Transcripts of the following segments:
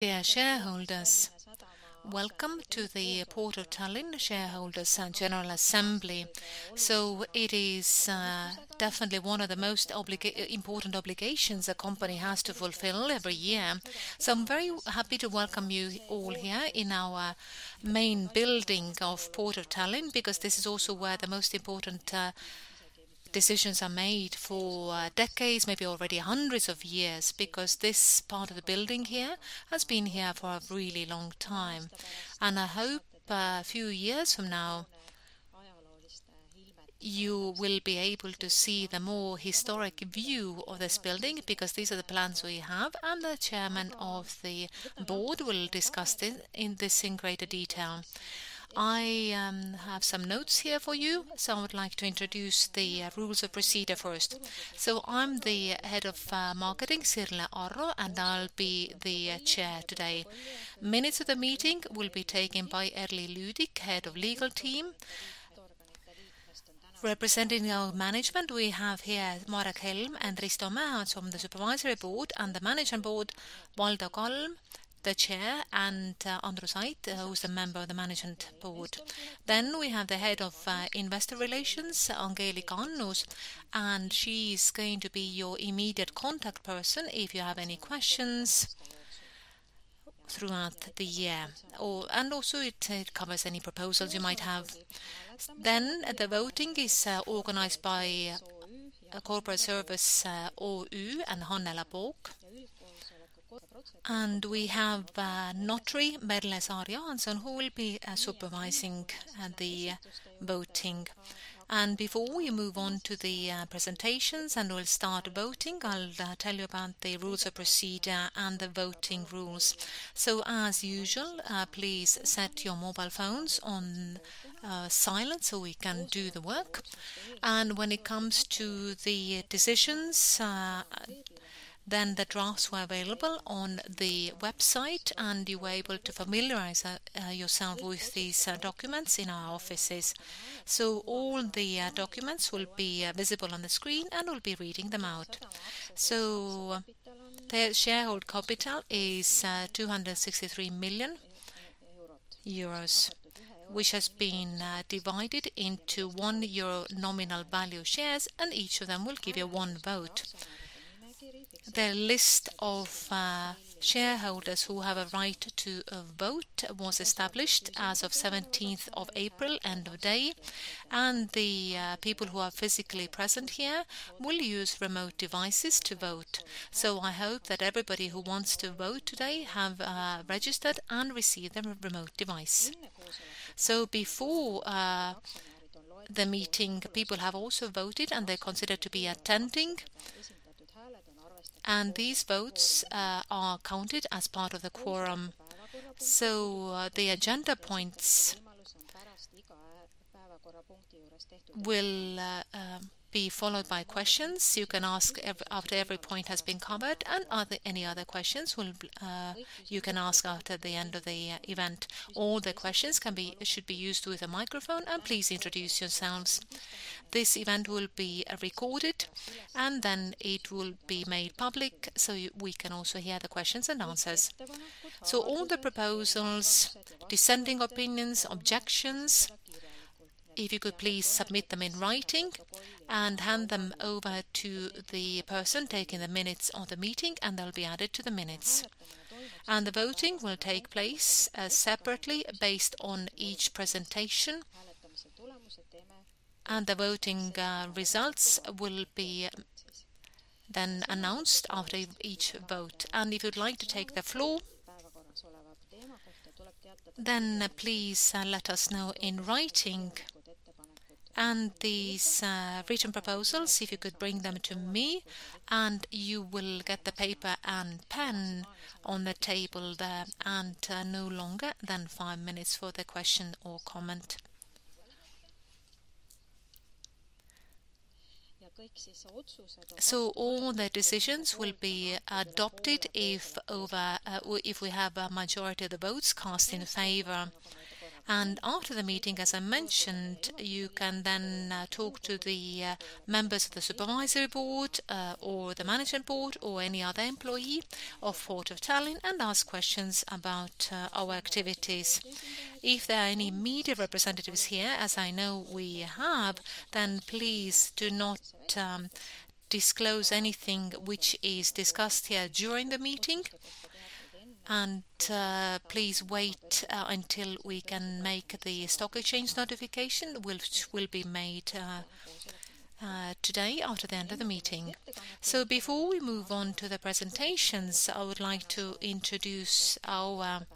Dear shareholders, welcome to the Port of Tallinn Shareholders' General Assembly. It is definitely one of the most important obligations a company has to fulfill every year. I'm very happy to welcome you all here in our main building of Port of Tallinn, because this is also where the most important decisions are made for decades, maybe already hundreds of years, because this part of the building here has been here for a really long time. I hope a few years from now you will be able to see the more historic view of this building, because these are the plans we have, and the chairman of the board will discuss this in greater detail. I have some notes here for you, so I would like to introduce the rules of procedure first. I'm the head of marketing, Sirle Arro, and I'll be the chair today. Minutes of the meeting will be taken by Erly Lüdig, Head of Legal Department. Representing our management, we have here Marek Helm and Risto Mäeots from the Supervisory Board and the Management Board, Valdo Kalm, the Chairman of the Management Board, and Andrus Ait, who's the Member of the Management Board. We have the Head of Investor Relations, Angelika Annus, and she is going to be your immediate contact person if you have any questions throughout the year or and also it covers any proposals you might have. The voting is organized by ARS Corporate Services OÜ and Helen Hunt. We have a notary, Merle Saar-Johanson, who will be supervising the voting. Before we move on to the presentations and we'll start voting, I'll tell you about the rules of procedure and the voting rules. As usual, please set your mobile phones on silent so we can do the work. When it comes to the decisions, then the drafts were available on the website, and you were able to familiarize yourself with these documents in our offices. All the documents will be visible on the screen, and we'll be reading them out. The shareholder capital is 263 million euros, which has been divided into 1 euro nominal value shares, and each of them will give you 1 vote. The list of shareholders who have a right to vote was established as of 17th of April, end of day, and the people who are physically present here will use remote devices to vote. I hope that everybody who wants to vote today have registered and received their remote device. Before the meeting, people have also voted, and they're considered to be attending. These votes are counted as part of the quorum. The agenda points will be followed by questions. You can ask after every point has been covered and any other questions will, you can ask after the end of the event. All the questions should be used with a microphone, and please introduce yourselves. This event will be recorded, and then it will be made public, so we can also hear the questions and answers. All the proposals, dissenting opinions, objections, if you could please submit them in writing and hand them over to the person taking the minutes of the meeting, and they'll be added to the minutes. The voting will take place separately based on each presentation. The voting results will be then announced after each vote. If you'd like to take the floor, then please let us know in writing. These written proposals, if you could bring them to me, and you will get the paper and pen on the table there, and no longer than 5 minutes for the question or comment. All the decisions will be adopted if over, if we have a majority of the votes cast in favor. After the meeting, as I mentioned, you can then talk to the members of the supervisory board, or the management board or any other employee of Port of Tallinn and ask questions about our activities. If there are any media representatives here, as I know we have, then please do not disclose anything which is discussed here during the meeting. Please wait until we can make the stock exchange notification, which will be made today after the end of the meeting. Before we move on to the presentations, I would like to introduce our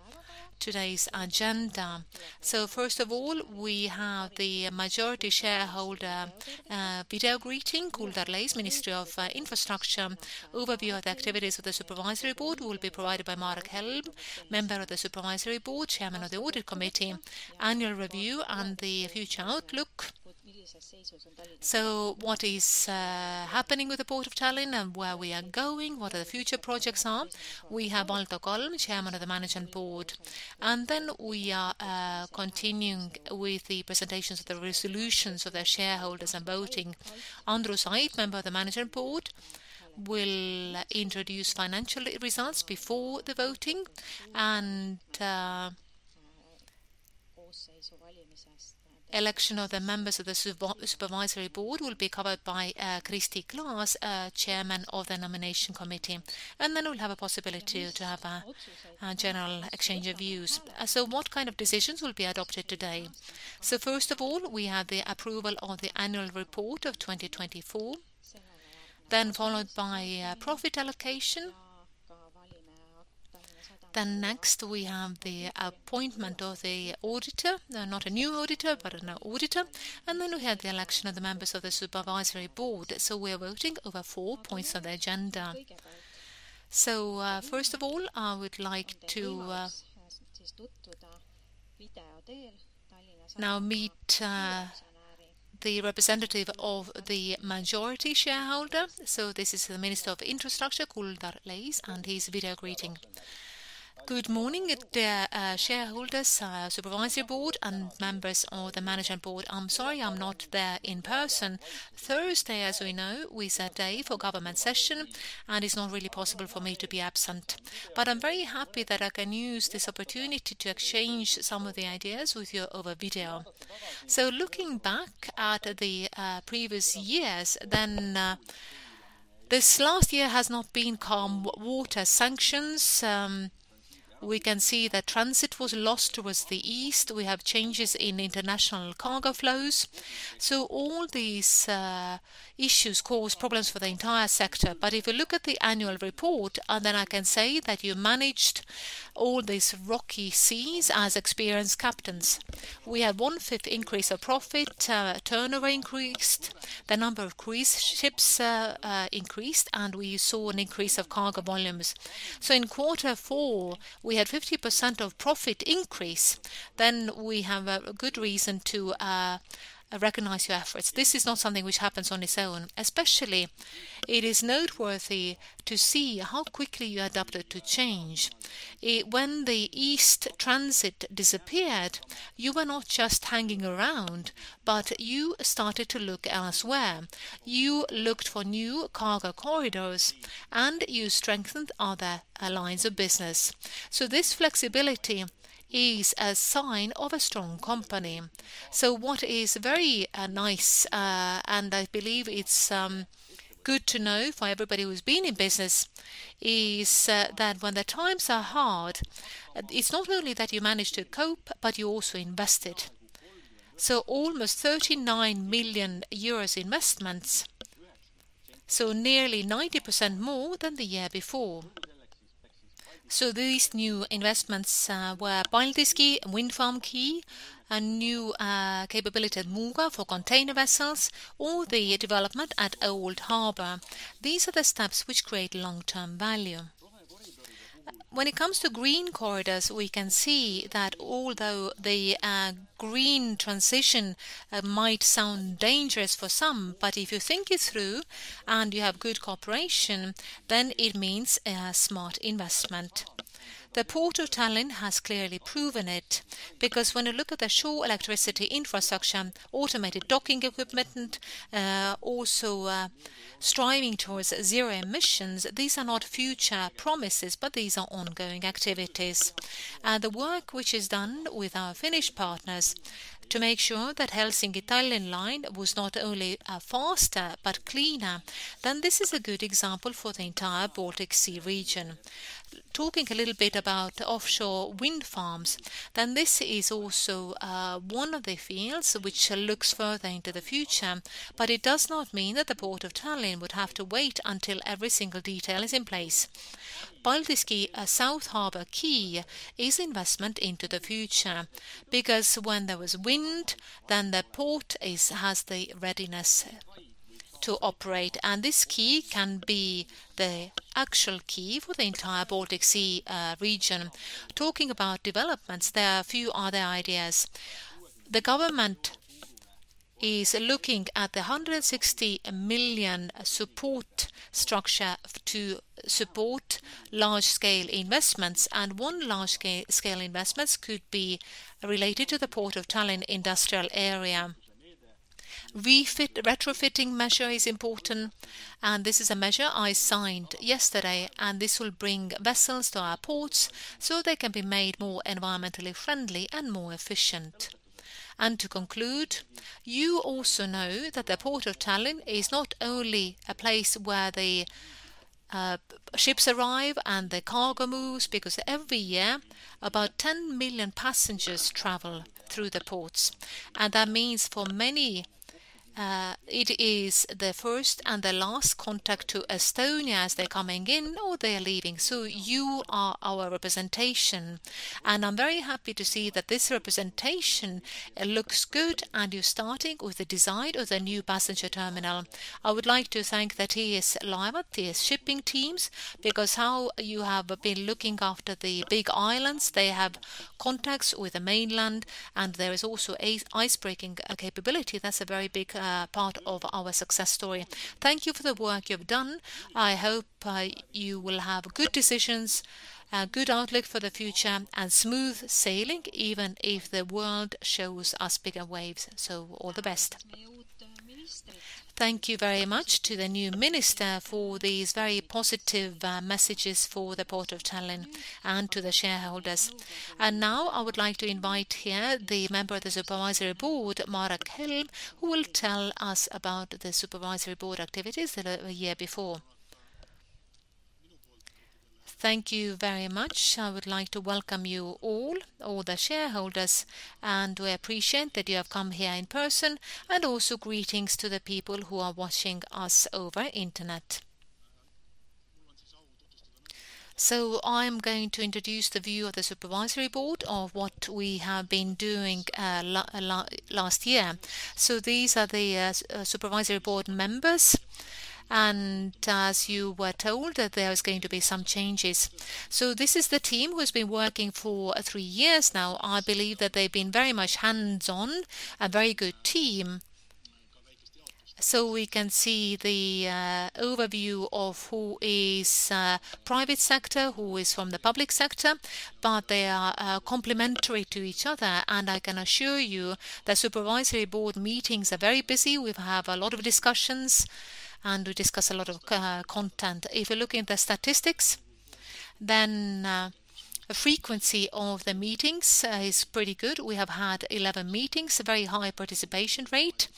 today's agenda. First of all, we have the majority shareholder, video greeting, Kuldar Leis, Minister of Infrastructure. Overview of the activities of the Supervisory Board will be provided by Marek Helm, Member of the Supervisory Board, Chairman of the Audit Committee. Annual review and the future outlook. What is happening with the Port of Tallinn and where we are going, what the future projects are. We have Valdo Kalm, Chairman of the Management Board. We are continuing with the presentations of the resolutions of the shareholders and voting. Andrus Ait, Member of the Management Board, will introduce financial results before the voting. Election of the members of the Supervisory Board will be covered by Kristi Klaas, Chairman of the Nomination Committee. We'll have a possibility to have a general exchange of views. What kind of decisions will be adopted today? First of all, we have the approval of the annual report of 2024, then followed by profit allocation. Next, we have the appointment of the auditor. Not a new auditor, but an auditor. Then we have the election of the members of the supervisory board. We are voting over four points on the agenda. First of all, I would like to now meet the representative of the majority shareholder. This is the Minister of Infrastructure, Kuldar Leis, and his video greeting. Good morning, dear shareholders, supervisory board, and members of the management board. I'm sorry I'm not there in person. Thursday, as we know, is a day for government session, and it's not really possible for me to be absent. I'm very happy that I can use this opportunity to exchange some of the ideas with you over video. Looking back at the previous years, this last year has not been calm water sanctions. We can see that transit was lost towards the east. We have changes in international cargo flows. All these issues cause problems for the entire sector. If you look at the annual report, and then I can say that you managed all these rocky seas as experienced captains. We had 1/5 increase of profit, turnover increased, the number of cruise ships increased, and we saw an increase of cargo volumes. In Q4, we had 50% of profit increase. We have a good reason to recognize your efforts. This is not something which happens on its own. Especially, it is noteworthy to see how quickly you adapted to change. When the east transit disappeared, you were not just hanging around, but you started to look elsewhere. You looked for new cargo corridors, you strengthened other lines of business. This flexibility is a sign of a strong company. What is very nice, and I believe it's good to know for everybody who's been in business, is that when the times are hard, it's not only that you managed to cope, but you also invested. Almost EUR 39 million investments, nearly 90% more than the year before. These new investments were Paldiski wind farm quay, a new capability at Muuga for container vessels, or the development at Old Harbour. These are the steps which create long-term value. When it comes to green corridors, we can see that although the green transition might sound dangerous for some, but if you think it through and you have good cooperation, then it means a smart investment. The Port of Tallinn has clearly proven it, because when you look at the shore electricity infrastructure, automated docking equipment, also striving towards zero emissions, these are not future promises, but these are ongoing activities. The work which is done with our Finnish partners to make sure that Helsinki-Tallinn line was not only faster but cleaner, then this is a good example for the entire Baltic Sea region. Talking a little bit about offshore wind farms, this is also one of the fields which looks further into the future, it does not mean that the Port of Tallinn would have to wait until every single detail is in place. Paldiski South Harbour Quay is investment into the future because when there was wind, the port has the readiness to operate. This quay can be the actual quay for the entire Baltic Sea region. Talking about developments, there are a few other ideas. The government is looking at the 160 million support structure to support large scale investments. One large scale investments could be related to the Port of Tallinn industrial area. Refit retrofitting measure is important. This is a measure I signed yesterday. This will bring vessels to our ports, so they can be made more environmentally friendly and more efficient. To conclude, you also know that the Port of Tallinn is not only a place where the ships arrive and the cargo moves, because every year about 10 million passengers travel through the ports. That means for many, it is the first and the last contact to Estonia as they're coming in or they're leaving. You are our representation, and I'm very happy to see that this representation looks good and you're starting with the design of the new passenger terminal. I would like to thank the TS Laevad, TS Shipping teams, because how you have been looking after the big islands, they have contacts with the mainland, and there is also a icebreaking capability. That's a very big part of our success story. Thank you for the work you've done. I hope you will have good decisions, a good outlook for the future, and smooth sailing, even if the world shows us bigger waves. All the best. Thank you very much to the new Minister for these very positive messages for the Port of Tallinn and to the shareholders. Now I would like to invite here the Member of the Supervisory Board, Marek Helm, who will tell us about the Supervisory Board activities the year before. Thank you very much. I would like to welcome you all the shareholders, and we appreciate that you have come here in person, and also greetings to the people who are watching us over Internet. I'm going to introduce the view of the Supervisory Board of what we have been doing last year. These are the Supervisory Board members, and as you were told that there is going to be some changes. This is the team who's been working for three years now. I believe that they've been very much hands-on, a very good team. We can see the overview of who is private sector, who is from the public sector, but they are complementary to each other, and I can assure you that Supervisory Board meetings are very busy. We've had a lot of discussions, and we discuss a lot of co- content. If you look in the statistics, then, frequency of the meetings, is pretty good. We have had 11 meetings, a very high participation rate.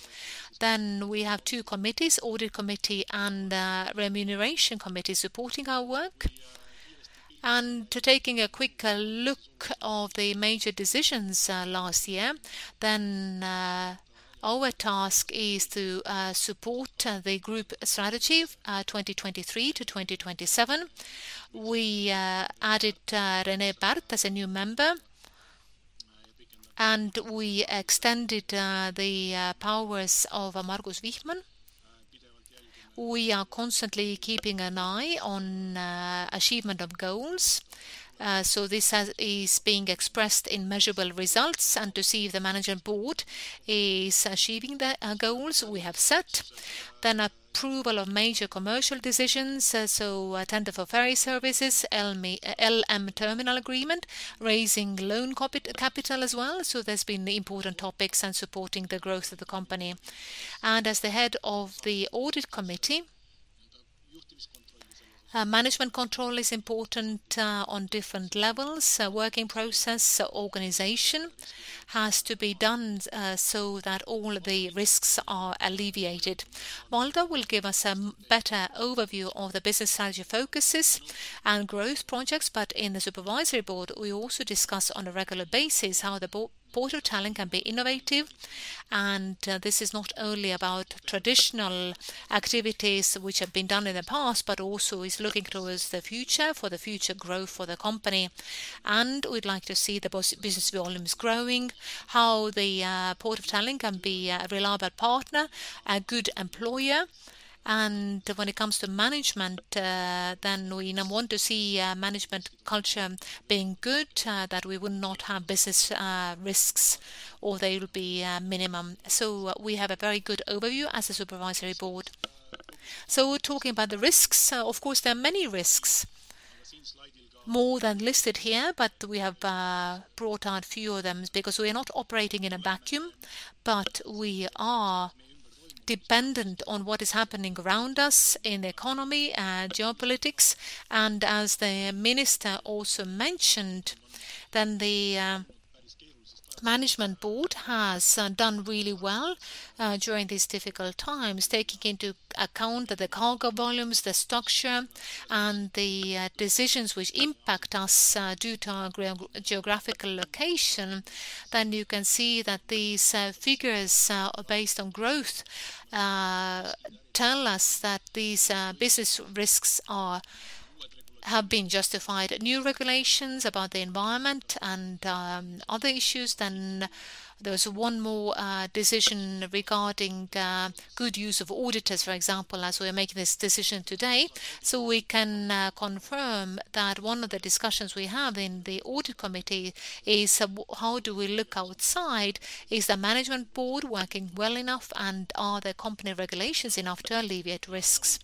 We have two committees, audit committee and remuneration committee, supporting our work. To taking a quick look of the major decisions, last year, then, our task is to support the group strategy, 2023 to 2027. We added Rene Pärt as a new member, and we extended the powers of Margus Vihman. We are constantly keeping an eye on achievement of goals. This is being expressed in measurable results and to see if the management board is achieving the goals we have set. Approval of major commercial decisions, so a tender for ferry services, LNG terminal agreement, raising loan capital as well. There's been important topics and supporting the growth of the company. As the head of the audit committee, management control is important on different levels. A working process, organization has to be done so that all the risks are alleviated. Valdo will give us a better overview of the business strategy focuses and growth projects, but in the Supervisory Board, we also discuss on a regular basis how the Port of Tallinn can be innovative. This is not only about traditional activities which have been done in the past, but also is looking towards the future, for the future growth for the company. We'd like to see the business volumes growing, how the Port of Tallinn can be a reliable partner, a good employer. When it comes to management, we now want to see management culture being good, that we will not have business risks, or they will be minimum. We have a very good overview as a supervisory board. Talking about the risks, of course, there are many risks, more than listed here, but we have brought out a few of them because we are not operating in a vacuum. We are dependent on what is happening around us in the economy and geopolitics. As the minister also mentioned, the management board has done really well during these difficult times, taking into account the cargo volumes, the structure, and the decisions which impact us due to our geographical location. You can see that these figures based on growth tell us that these business risks have been justified. New regulations about the environment and other issues. There's one more decision regarding good use of auditors, for example, as we are making this decision today. We can confirm that one of the discussions we have in the audit committee is how do we look outside? Is the management board working well enough, and are the company regulations enough to alleviate risks?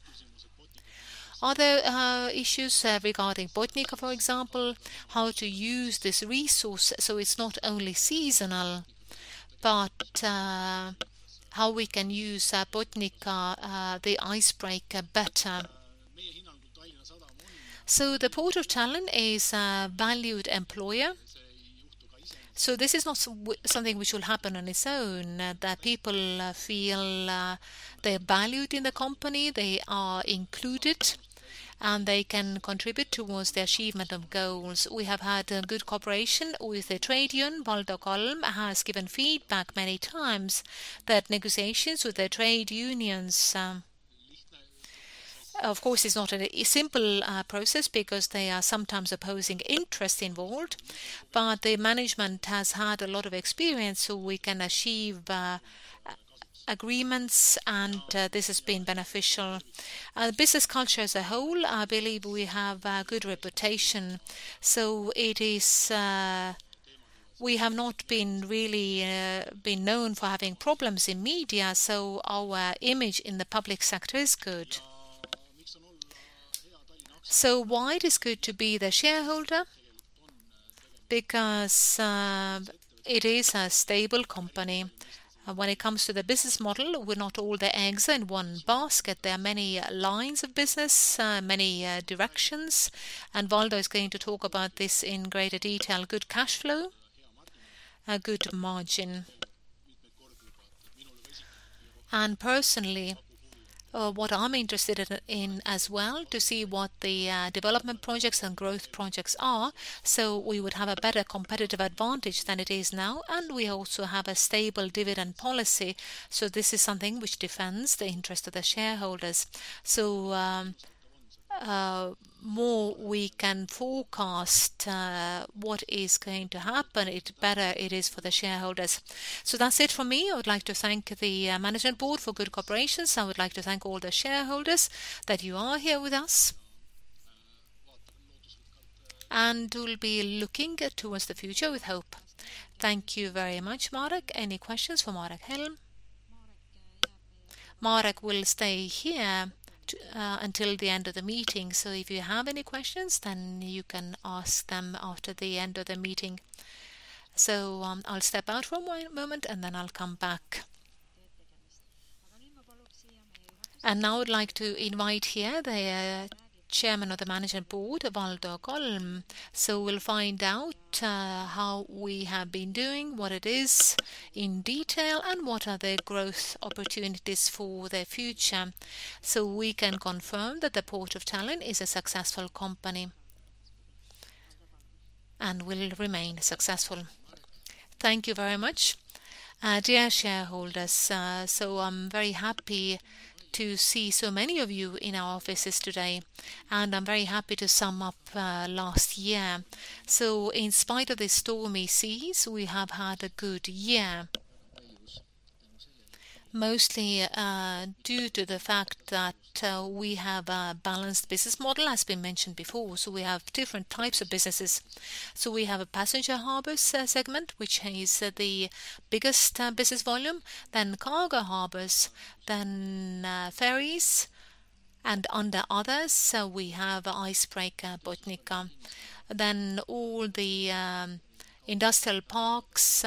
Other issues regarding Botnica, for example, how to use this resource, so it's not only seasonal, but how we can use Botnica the icebreaker better. The Port of Tallinn is a valued employer. This is not something which will happen on its own, that people feel they're valued in the company, they are included, and they can contribute towards the achievement of goals. We have had a good cooperation with the trade union. Valdo Kalm has given feedback many times that negotiations with the trade unions, of course, is not a simple process because there are sometimes opposing interests involved. The management has had a lot of experience, so we can achieve agreements, and this has been beneficial. The business culture as a whole, I believe we have a good reputation. It is. We have not been really known for having problems in media, so our image in the public sector is good. Why it is good to be the shareholder? Because it is a stable company. When it comes to the business model, we're not all the eggs in one basket. There are many lines of business, many directions, and Valdo is going to talk about this in greater detail. Good cash flow, a good margin. And personally, what I'm interested in as well to see what the development projects and growth projects are, so we would have a better competitive advantage than it is now, and we also have a stable dividend policy. This is something which defends the interest of the shareholders. More we can forecast what is going to happen, it better it is for the shareholders. That's it from me. I would like to thank the management board for good cooperation. I would like to thank all the shareholders that you are here with us. We'll be looking towards the future with hope. Thank you very much, Marek. Any questions for Marek Helm? Marek will stay here until the end of the meeting, if you have any questions, you can ask them after the end of the meeting. I'll step out for one moment, I'll come back. Now I'd like to invite here the Chairman of the Management Board, Valdo Kalm. We'll find out how we have been doing, what it is in detail, and what are the growth opportunities for the future. We can confirm that the Port of Tallinn is a successful company and will remain successful. Thank you very much. Dear shareholders, I'm very happy to see so many of you in our offices today, and I'm very happy to sum up last year. In spite of the stormy seas, we have had a good year. Mostly, due to the fact that we have a balanced business model, as been mentioned before, we have different types of businesses. We have a passenger harbors segment, which is the biggest business volume, then cargo harbors, then ferries, and under others, we have Icebreaker Botnica. All the industrial parks,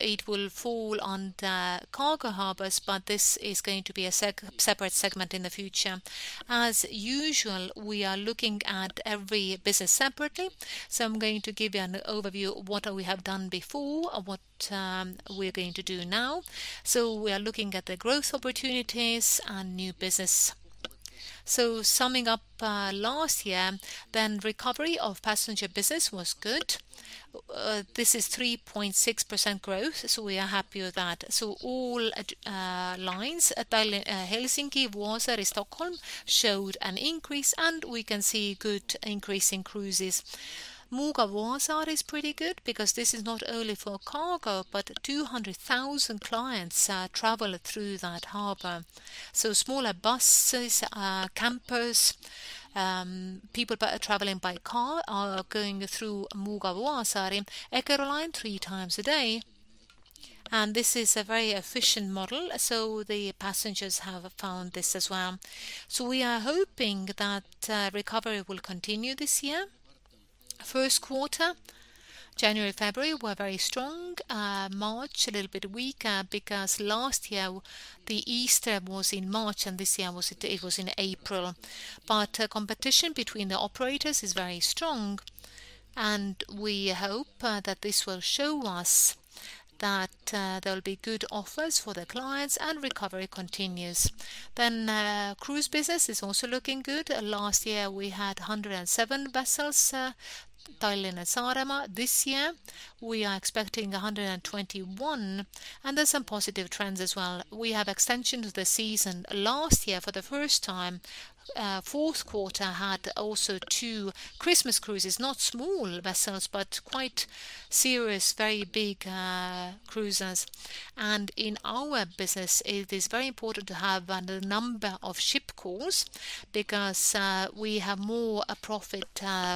it will fall under cargo harbors, but this is going to be a separate segment in the future. As usual, we are looking at every business separately, so I am going to give you an overview of what we have done before and what we are going to do now. We are looking at the growth opportunities and new business. Summing up last year, recovery of passenger business was good. This is 3.6% growth, so we are happy with that. All lines, Tallinn-Helsinki, Tallinn-Stockholm showed an increase, and we can see good increase in cruises. Muuga Vuosaari is pretty good because this is not only for cargo, but 200,000 clients travel through that harbor. Smaller buses, campers, people traveling by car are going through Muuga Vuosaari Eckerö Line 3x a day, and this is a very efficient model, the passengers have found this as well. We are hoping that recovery will continue this year. First quarter, January, February, were very strong. March, a little bit weaker because last year the Easter was in March, and this year it was in April. Competition between the operators is very strong, and we hope that this will show us that there'll be good offers for the clients and recovery continues. Cruise business is also looking good. Last year, we had 107 vessels, Tallinn and Saaremaa. This year, we are expecting 121, and there's some positive trends as well. We have extension to the season. Last year, for the first time, fourth quarter had also two Christmas cruises, not small vessels, but quite serious, very big cruisers. In our business, it is very important to have the number of ship calls because we have more profit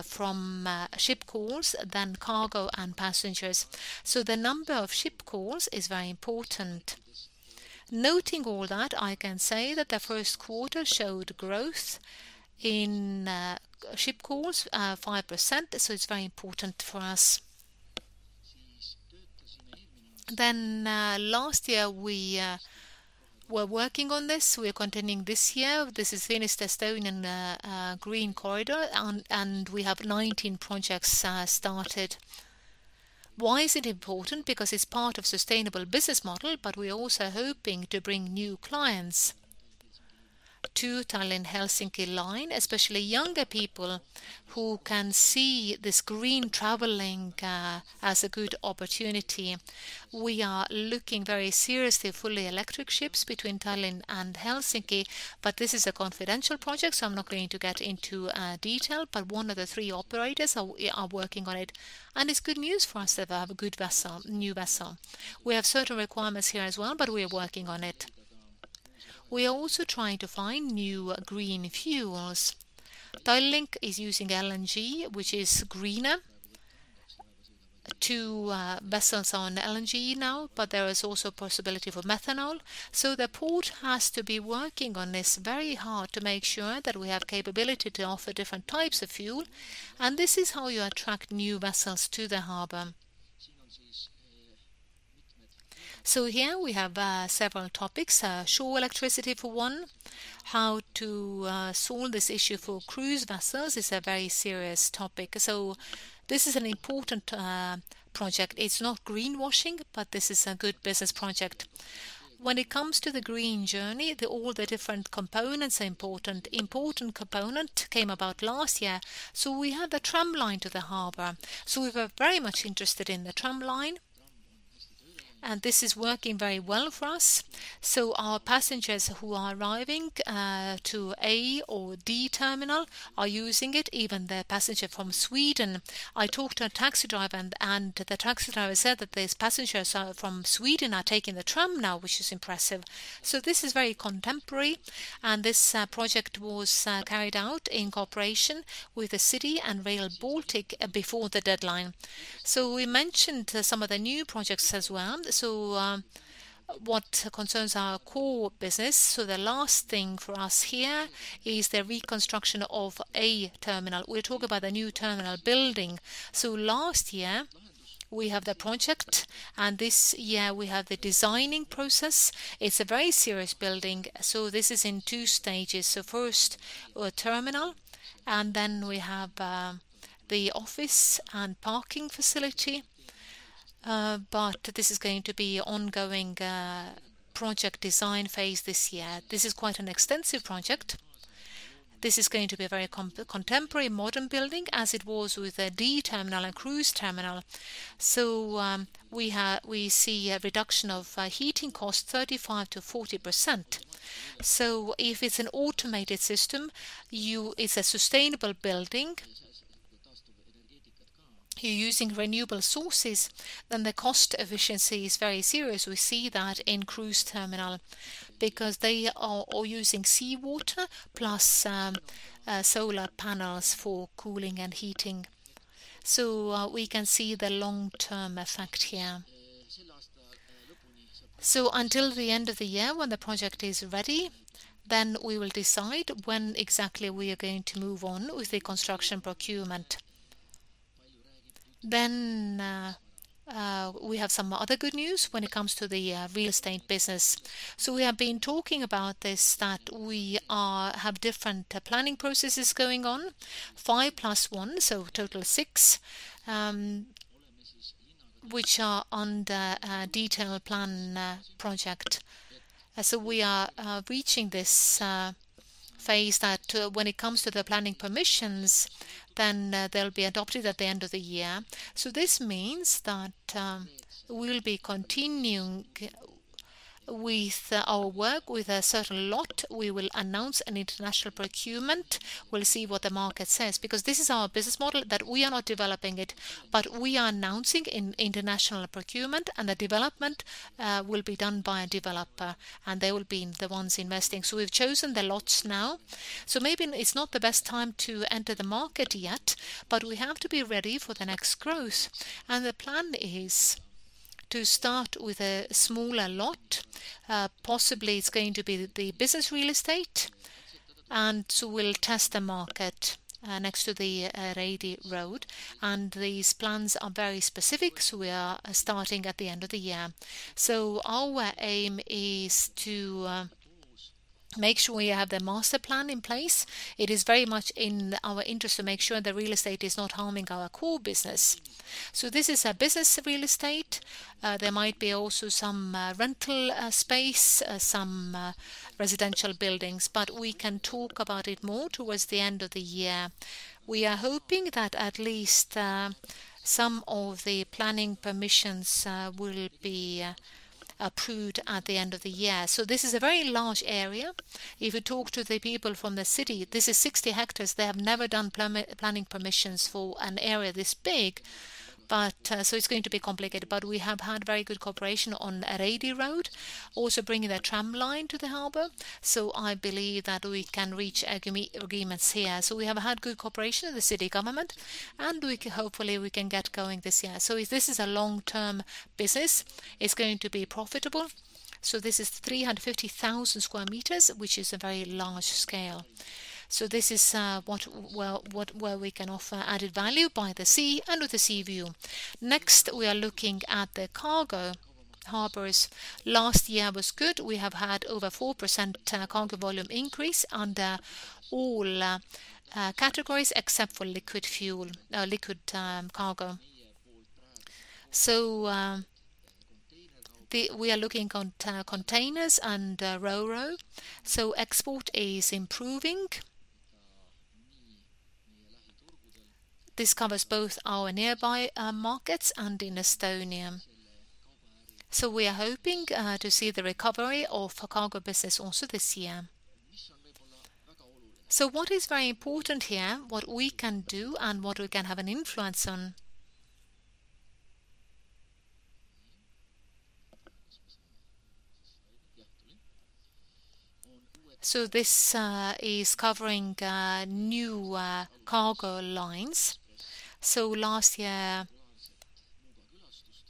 from ship calls than cargo and passengers. The number of ship calls is very important. Noting all that, I can say that the first quarter showed growth in ship calls, 5%, so it's very important for us. Last year, we were working on this. We are continuing this year. This is Finnish Estonian green corridor, and we have 19 projects started. Why is it important? It's part of sustainable business model, we're also hoping to bring new clients to Tallinn-Helsinki line, especially younger people who can see this green traveling as a good opportunity. We are looking very seriously at fully electric ships between Tallinn and Helsinki, this is a confidential project, I'm not going to get into detail. One of the three operators are working on it's good news for us that they have a good vessel, new vessel. We have certain requirements here as well, we are working on it. We are also trying to find new green fuels. Tallink is using LNG, which is greener. Two vessels are on LNG now, there is also possibility for methanol. The port has to be working on this very hard to make sure that we have capability to offer different types of fuel, and this is how you attract new vessels to the harbor. Here we have several topics, shore electricity for one, how to solve this issue for cruise vessels is a very serious topic. This is an important project. It's not greenwashing, but this is a good business project. When it comes to the green journey, all the different components are important. Important component came about last year. We had the tramline to the harbor, so we were very much interested in the tramline, and this is working very well for us. Our passengers who are arriving to A or D Terminal are using it, even the passenger from Sweden. I talked to a taxi driver, and the taxi driver said that these passengers from Sweden are taking the tram now, which is impressive. This is very contemporary, and this project was carried out in cooperation with the city and Rail Baltica before the deadline. We mentioned some of the new projects as well. What concerns our core business, so the last thing for us here is the reconstruction of A Terminal. We're talking about the new terminal building. Last year, we have the project, and this year we have the designing process. It's a very serious building, so this is in two stages. First, A Terminal, and then we have the office and parking facility. This is going to be ongoing project design phase this year. This is quite an extensive project. This is going to be a very contemporary modern building as it was with the D Terminal and cruise terminal. We see a reduction of heating costs 35%-40%. If it's an automated system, it's a sustainable building. You're using renewable sources, the cost efficiency is very serious. We see that in cruise terminal because they are all using seawater plus solar panels for cooling and heating. We can see the long-term effect here. Until the end of the year when the project is ready, we will decide when exactly we are going to move on with the construction procurement. We have some other good news when it comes to the real estate business. We have been talking about this, that we are, have different planning processes going on, 5 plus 1, total of 6, which are under a detailed plan project. We are reaching this phase that when it comes to the planning permissions, then they'll be adopted at the end of the year. This means that we'll be continuing with our work with a certain lot. We will announce an international procurement. We'll see what the market says, because this is our business model, that we are not developing it, but we are announcing in international procurement, and the development will be done by a developer, and they will be the ones investing. We've chosen the lots now. Maybe it's not the best time to enter the market yet, but we have to be ready for the next growth. Possibly it's going to be the business real estate, we'll test the market next to the Reidi Road. These plans are very specific, we are starting at the end of the year. Our aim is to make sure we have the master plan in place. It is very much in our interest to make sure the real estate is not harming our core business. This is a business real estate. There might be also some rental space, some residential buildings, but we can talk about it more towards the end of the year. We are hoping that at least some of the planning permissions will be approved at the end of the year. This is a very large area. If you talk to the people from the city, this is 60 hectares. They have never done planning permissions for an area this big. It's going to be complicated, but we have had very good cooperation on Reidi Road, also bringing the tramline to the harbor. I believe that we can reach agreements here. We have had good cooperation with the city government, and we can hopefully, we can get going this year. If this is a long-term business, it's going to be profitable. This is 350,000 square meters, which is a very large scale. This is what, where we can offer added value by the sea and with the sea view. Next, we are looking at the cargo harbors. Last year was good. We have had over 4% cargo volume increase under all categories except for liquid fuel, liquid cargo. The, we are looking on containers and Ro-Ro. Export is improving. This covers both our nearby markets and in Estonia. We are hoping to see the recovery of cargo business also this year. What is very important here, what we can do and what we can have an influence on. This is covering new cargo lines. Last year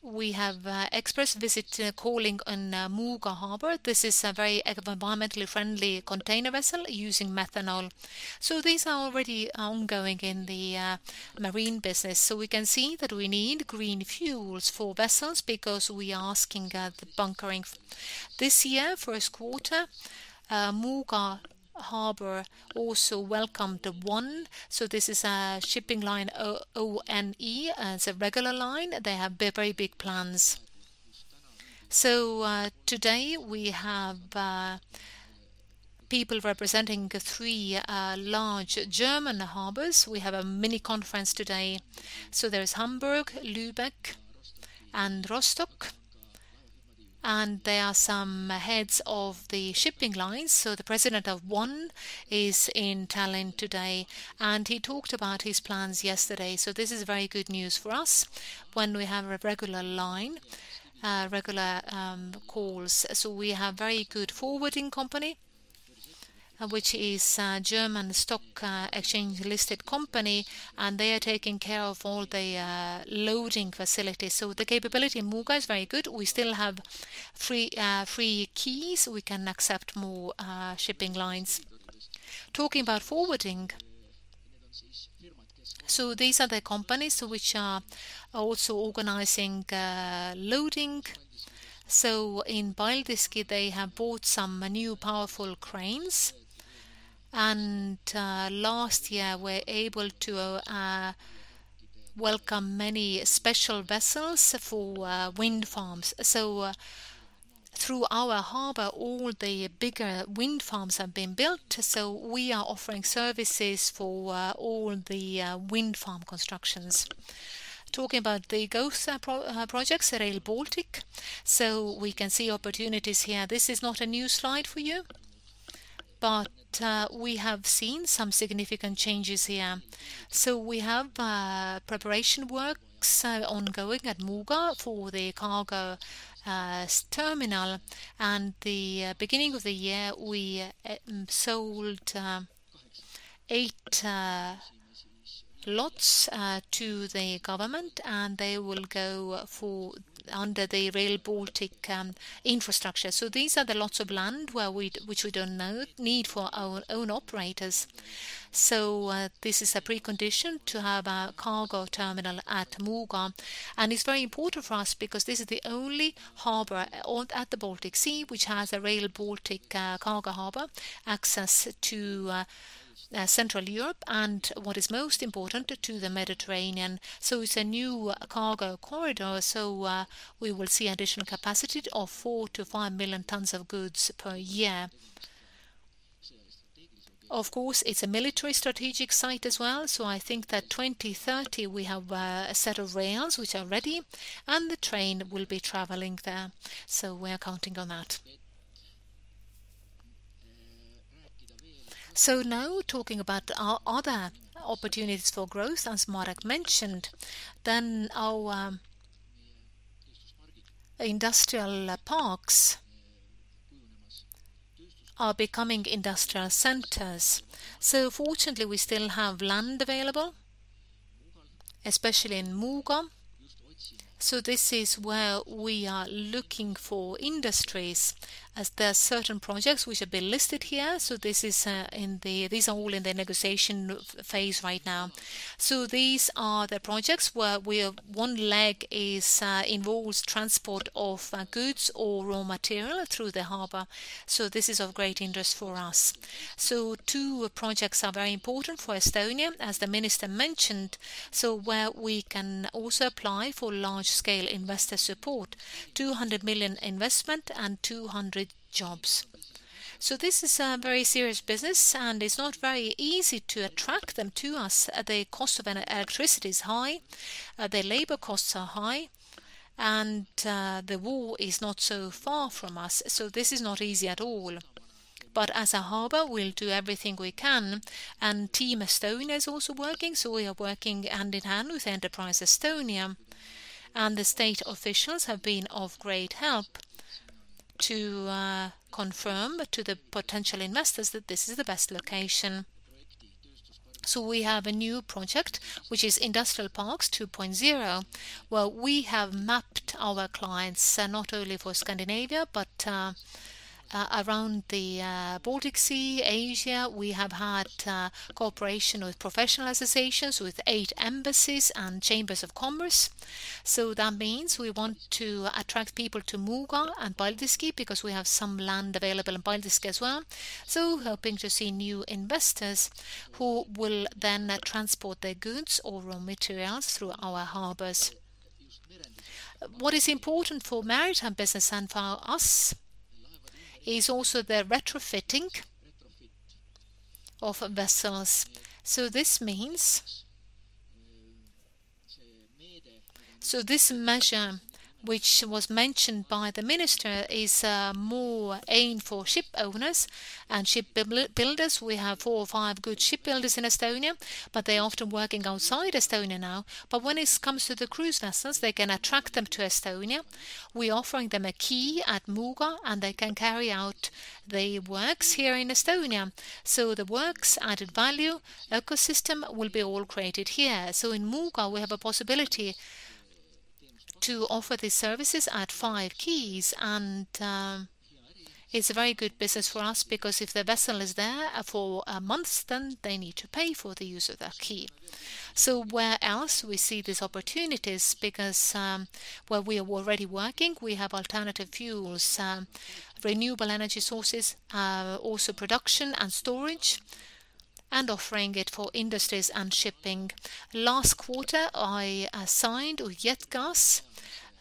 we have X-Press Feeders calling on Muuga Harbour. This is a very environmentally friendly container vessel using methanol. These are already ongoing in the marine business. We can see that we need green fuels for vessels because we are asking the bunkering. This year, first quarter, Muuga Harbour also welcomed ONE. This is a shipping line, O-O-N-E. It's a regular line. They have very big plans. Today we have people representing three large German harbors. We have a mini conference today. There is Hamburg, Lübeck, and Rostock, and there are some heads of the shipping lines. The president of ONE is in Tallinn today, and he talked about his plans yesterday. This is very good news for us when we have a regular line, regular calls. We have very good forwarding company, which is a German stock, exchange-listed company, and they are taking care of all the loading facilities. The capability in Muuga is very good. We still have free quays. We can accept more shipping lines. Talking about forwarding. These are the companies which are also organizing loading. In Paldiski, they have bought some new powerful cranes, and last year were able to welcome many special vessels for wind farms. Through our harbor, all the bigger wind farms have been built. We are offering services for all the wind farm constructions. Talking about the growth projects, Rail Baltica. We can see opportunities here. This is not a new slide for you, but we have seen some significant changes here. We have preparation works ongoing at Muuga for the cargo terminal, and the beginning of the year, we sold eight lots to the government, and they will go for under the Rail Baltica infrastructure. These are the lots of land which we don't need for our own operators. This is a precondition to have a cargo terminal at Muuga, and it's very important for us because this is the only harbor at the Baltic Sea which has a Rail Baltica cargo harbor access to Central Europe and, what is most important, to the Mediterranean. It's a new cargo corridor. We will see additional capacity of 4-5 million tons of goods per year. Of course, it's a military strategic site as well. I think that 2030 we have a set of rails which are ready, and the train will be traveling there. We are counting on that. Now talking about other opportunities for growth, as Marek mentioned. Our industrial parks are becoming industrial centers. Fortunately, we still have land available, especially in Muuga. This is where we are looking for industries, as there are certain projects which have been listed here. These are all in the negotiation phase right now. These are the projects where we have one leg involves transport of goods or raw material through the harbor. This is of great interest for us. Two projects are very important for Estonia, as the minister mentioned. Where we can also apply for large-scale investor support, 200 million investment and 200 jobs. This is a very serious business, and it is not very easy to attract them to us. The cost of an electricity is high, the labor costs are high, and the war is not so far from us. This is not easy at all. As a harbor, we will do everything we can, and Team Estonia is also working. We are working hand in hand with Enterprise Estonia, and the state officials have been of great help to confirm to the potential investors that this is the best location. We have a new project, which is Industrial Parks 2.0, where we have mapped our clients, not only for Scandinavia, but around the Baltic Sea, Asia. We have had cooperation with professional associations with eight embassies and chambers of commerce. That means we want to attract people to Muuga and Paldiski because we have some land available in Paldiski as well. Hoping to see new investors who will then transport their goods or raw materials through our harbors. What is important for maritime business and for us is also the retrofitting of vessels. This measure, which was mentioned by the minister, is more aimed for ship owners and shipbuilders. We have four or five good shipbuilders in Estonia, but they're often working outside Estonia now. When it comes to the cruise vessels, they can attract them to Estonia. We offering them a quay at Muuga, and they can carry out the works here in Estonia. The works, added value, ecosystem will be all created here. In Muuga, we have a possibility to offer these services at five quays, and it's a very good business for us because if the vessel is there for months, then they need to pay for the use of that quay. Where else we see these opportunities because, where we are already working, we have alternative fuels, renewable energy sources, also production and storage, and offering it for industries and shipping. Last quarter, I signed with JetGas,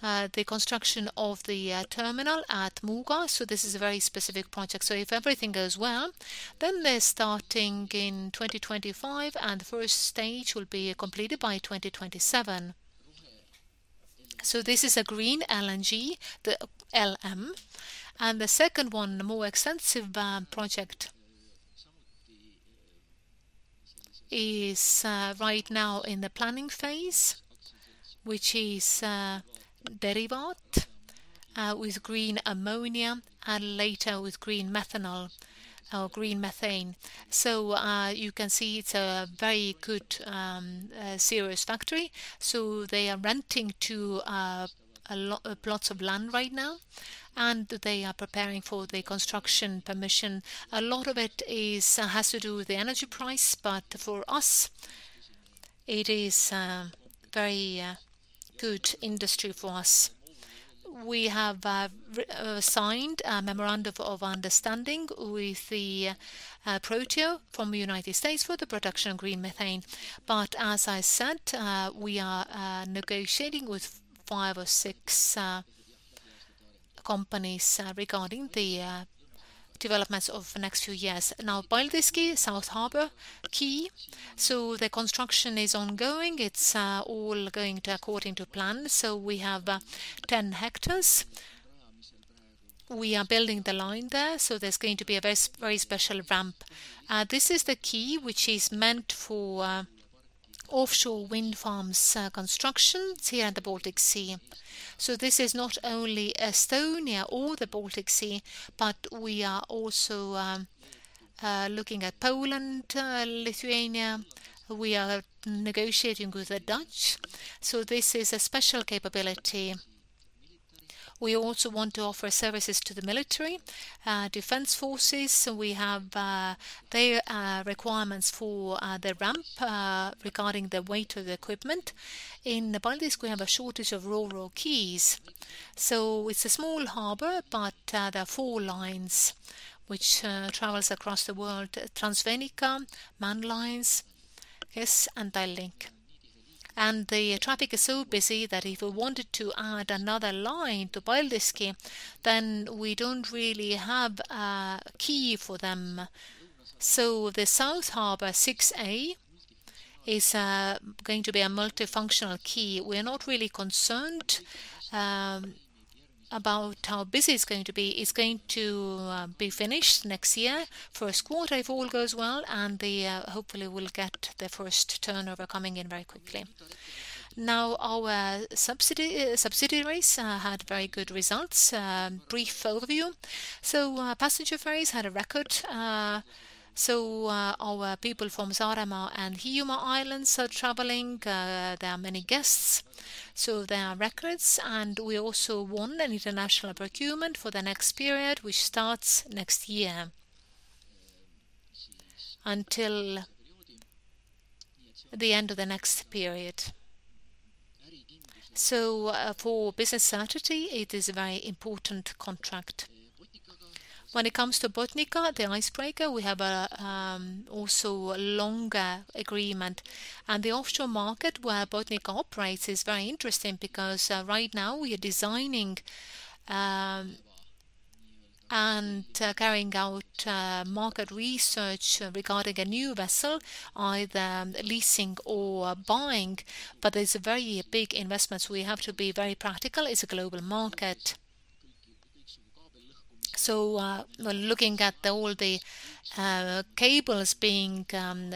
the construction of the terminal at Muuga. This is a very specific project. If everything goes well, then they're starting in 2025, and the first stage will be completed by 2027. This is a green LNG, the LBM. The second one, the more extensive project is right now in the planning phase, which is Derivaat NH3 with green ammonia and later with green methanol or green methane. You can see it's a very good serious factory. They are renting plots of land right now, and they are preparing for the construction permission. A lot of it has to do with the energy price, but for us, it is very good industry for us. We have signed a memorandum of understanding with the Protio from United States for the production of green methane. As I said, we are negotiating with five or six companies regarding the developments of the next few years. Paldiski South Harbour Quay, the construction is ongoing. It's all going according to plan. We have 10 hectares. We are building the line there's going to be a very special ramp. This is the quay which is meant for offshore wind farms, constructions here at the Baltic Sea. This is not only Estonia or the Baltic Sea, but we are also looking at Poland, Lithuania. We are negotiating with the Dutch, this is a special capability. We also want to offer services to the military, defense forces. We have their requirements for the ramp regarding the weight of the equipment. In Paldiski, we have a shortage of Ro-Ro quays. It's a small harbor, but there are four lines which travels across the world, Transfennica, Mann Lines, X-Press Feeders, and Tallink. The traffic is so busy that if we wanted to add another line to Paldiski, we don't really have a quay for them. The South Harbor 6A is going to be a multifunctional quay. We're not really concerned about how busy it's going to be. It's going to be finished next year, first quarter if all goes well, hopefully we'll get the first turnover coming in very quickly. Our subsidiaries had very good results. Brief overview. Passenger ferries had a record. Our people from Saaremaa and Hiiumaa Islands are traveling. There are many guests, there are records. We also won an international procurement for the next period, which starts next year until the end of the next period. For business strategy, it is a very important contract. When it comes to Botnica, the icebreaker, we have also a longer agreement. The offshore market where Botnica operates is very interesting because right now we are designing and carrying out market research regarding a new vessel, either leasing or buying. It's a very big investment, so we have to be very practical. It's a global market. We're looking at all the cables being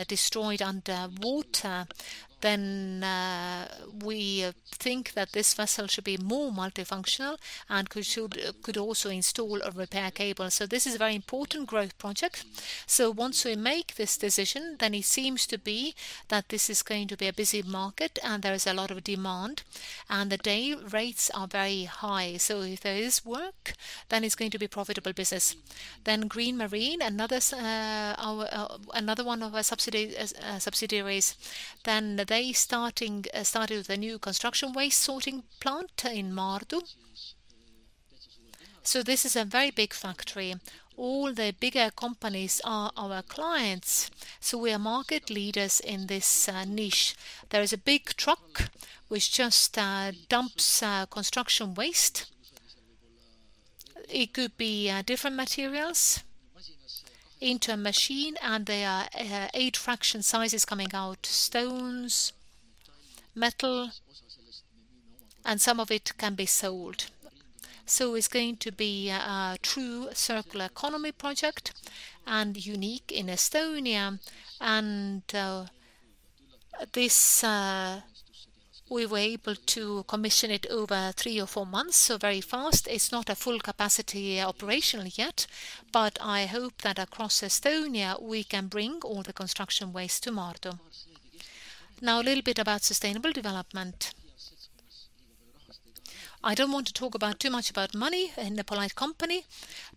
destroyed underwater. We think that this vessel should be more multifunctional and could also install or repair cables. This is a very important growth project. Once we make this decision, then it seems to be that this is going to be a busy market and there is a lot of demand, and the day rates are very high. If there is work, then it's going to be profitable business. Green Marine, another our, another one of our subsidiaries. They started the new construction waste sorting plant in Maardu. This is a very big factory. All the bigger companies are our clients, so we are market leaders in this niche. There is a big truck which just dumps construction waste. It could be different materials into a machine, and there are 8 fraction sizes coming out, stones, metal, and some of it can be sold. It's going to be a true circular economy project and unique in Estonia. This, we were able to commission it over three or four months, so very fast. It's not at full capacity operationally yet. I hope that across Estonia, we can bring all the construction waste to Maardu. Now a little bit about sustainable development. I don't want to talk about too much about money in a polite company,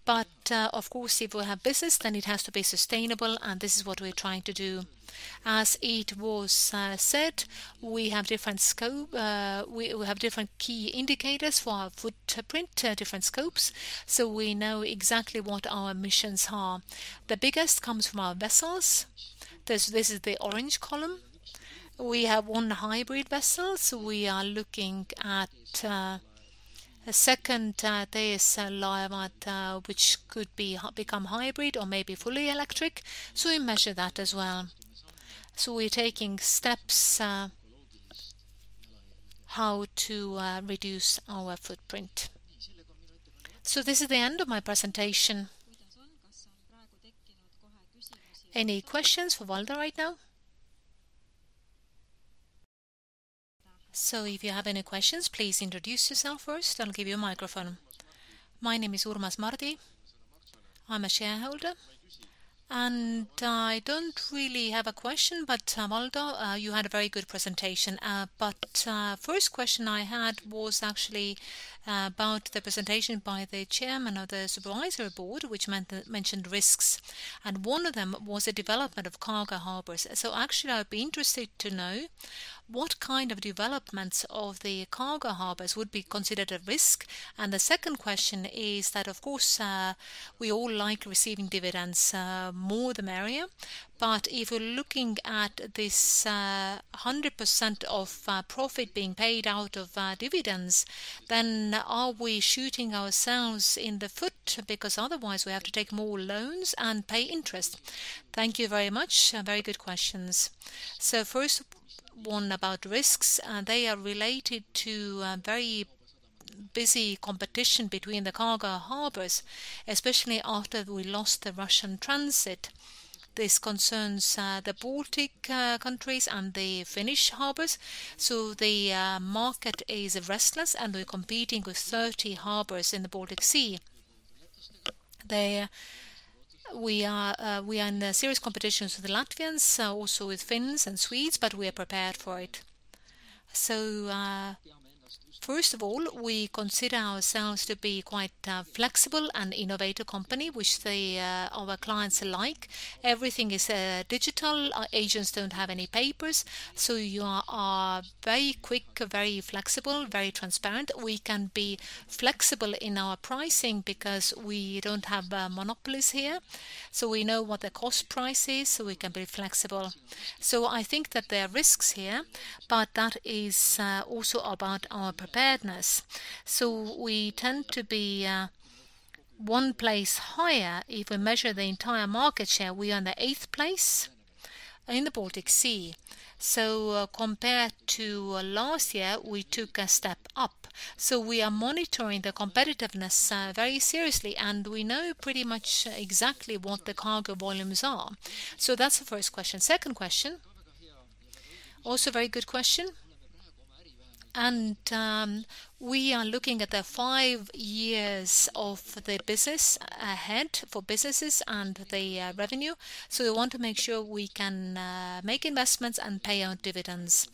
but, of course, if we have business, then it has to be sustainable, and this is what we're trying to do. As it was said, we have different scope. We have different key indicators for our footprint, different scopes, so we know exactly what our emissions are. The biggest comes from our vessels. This is the orange column. We have one hybrid vessel, so we are looking at a second diesel, which could become hybrid or maybe fully electric. We measure that as well. We're taking steps how to reduce our footprint. This is the end of my presentation. Any questions for Valdo Kalm right now? If you have any questions, please introduce yourself first. I'll give you a microphone. My name is Urmas Mardi. I'm a shareholder. I don't really have a question, Valdo Kalm, you had a very good presentation. First question I had was actually about the presentation by the Chairman of the Supervisory Board, which meant the mentioned risks. One of them was the development of cargo harbors. Actually, I'd be interested to know what kind of developments of the cargo harbors would be considered a risk. The second question is that, of course, we all like receiving dividends, more the merrier. If we're looking at this, 100% of profit being paid out of dividends, then are we shooting ourselves in the foot? Because otherwise, we have to take more loans and pay interest. Thank you very much. Very good questions. First one about risks, they are related to very busy competition between the cargo harbors, especially after we lost the Russian transit. This concerns the Baltic countries and the Finnish harbors. The market is restless, and we're competing with 30 harbors in the Baltic Sea. We are in a serious competition with the Latvians, also with Finns and Swedes, but we are prepared for it. First of all, we consider ourselves to be quite flexible and innovative company, which the our clients like. Everything is digital. Our agents don't have any papers, so you are very quick, very flexible, very transparent. We can be flexible in our pricing because we don't have monopolies here. We know what the cost price is, we can be flexible. I think that there are risks here, but that is also about our preparedness. We tend to be one place higher. If we measure the entire market share, we are in the 8th place in the Baltic Sea. Compared to last year, we took a step up. We are monitoring the competitiveness very seriously, and we know pretty much exactly what the cargo volumes are. That's the first question. Second question, also very good question. We are looking at the five years of the business ahead for businesses and the revenue. We want to make sure we can make investments and pay out dividends.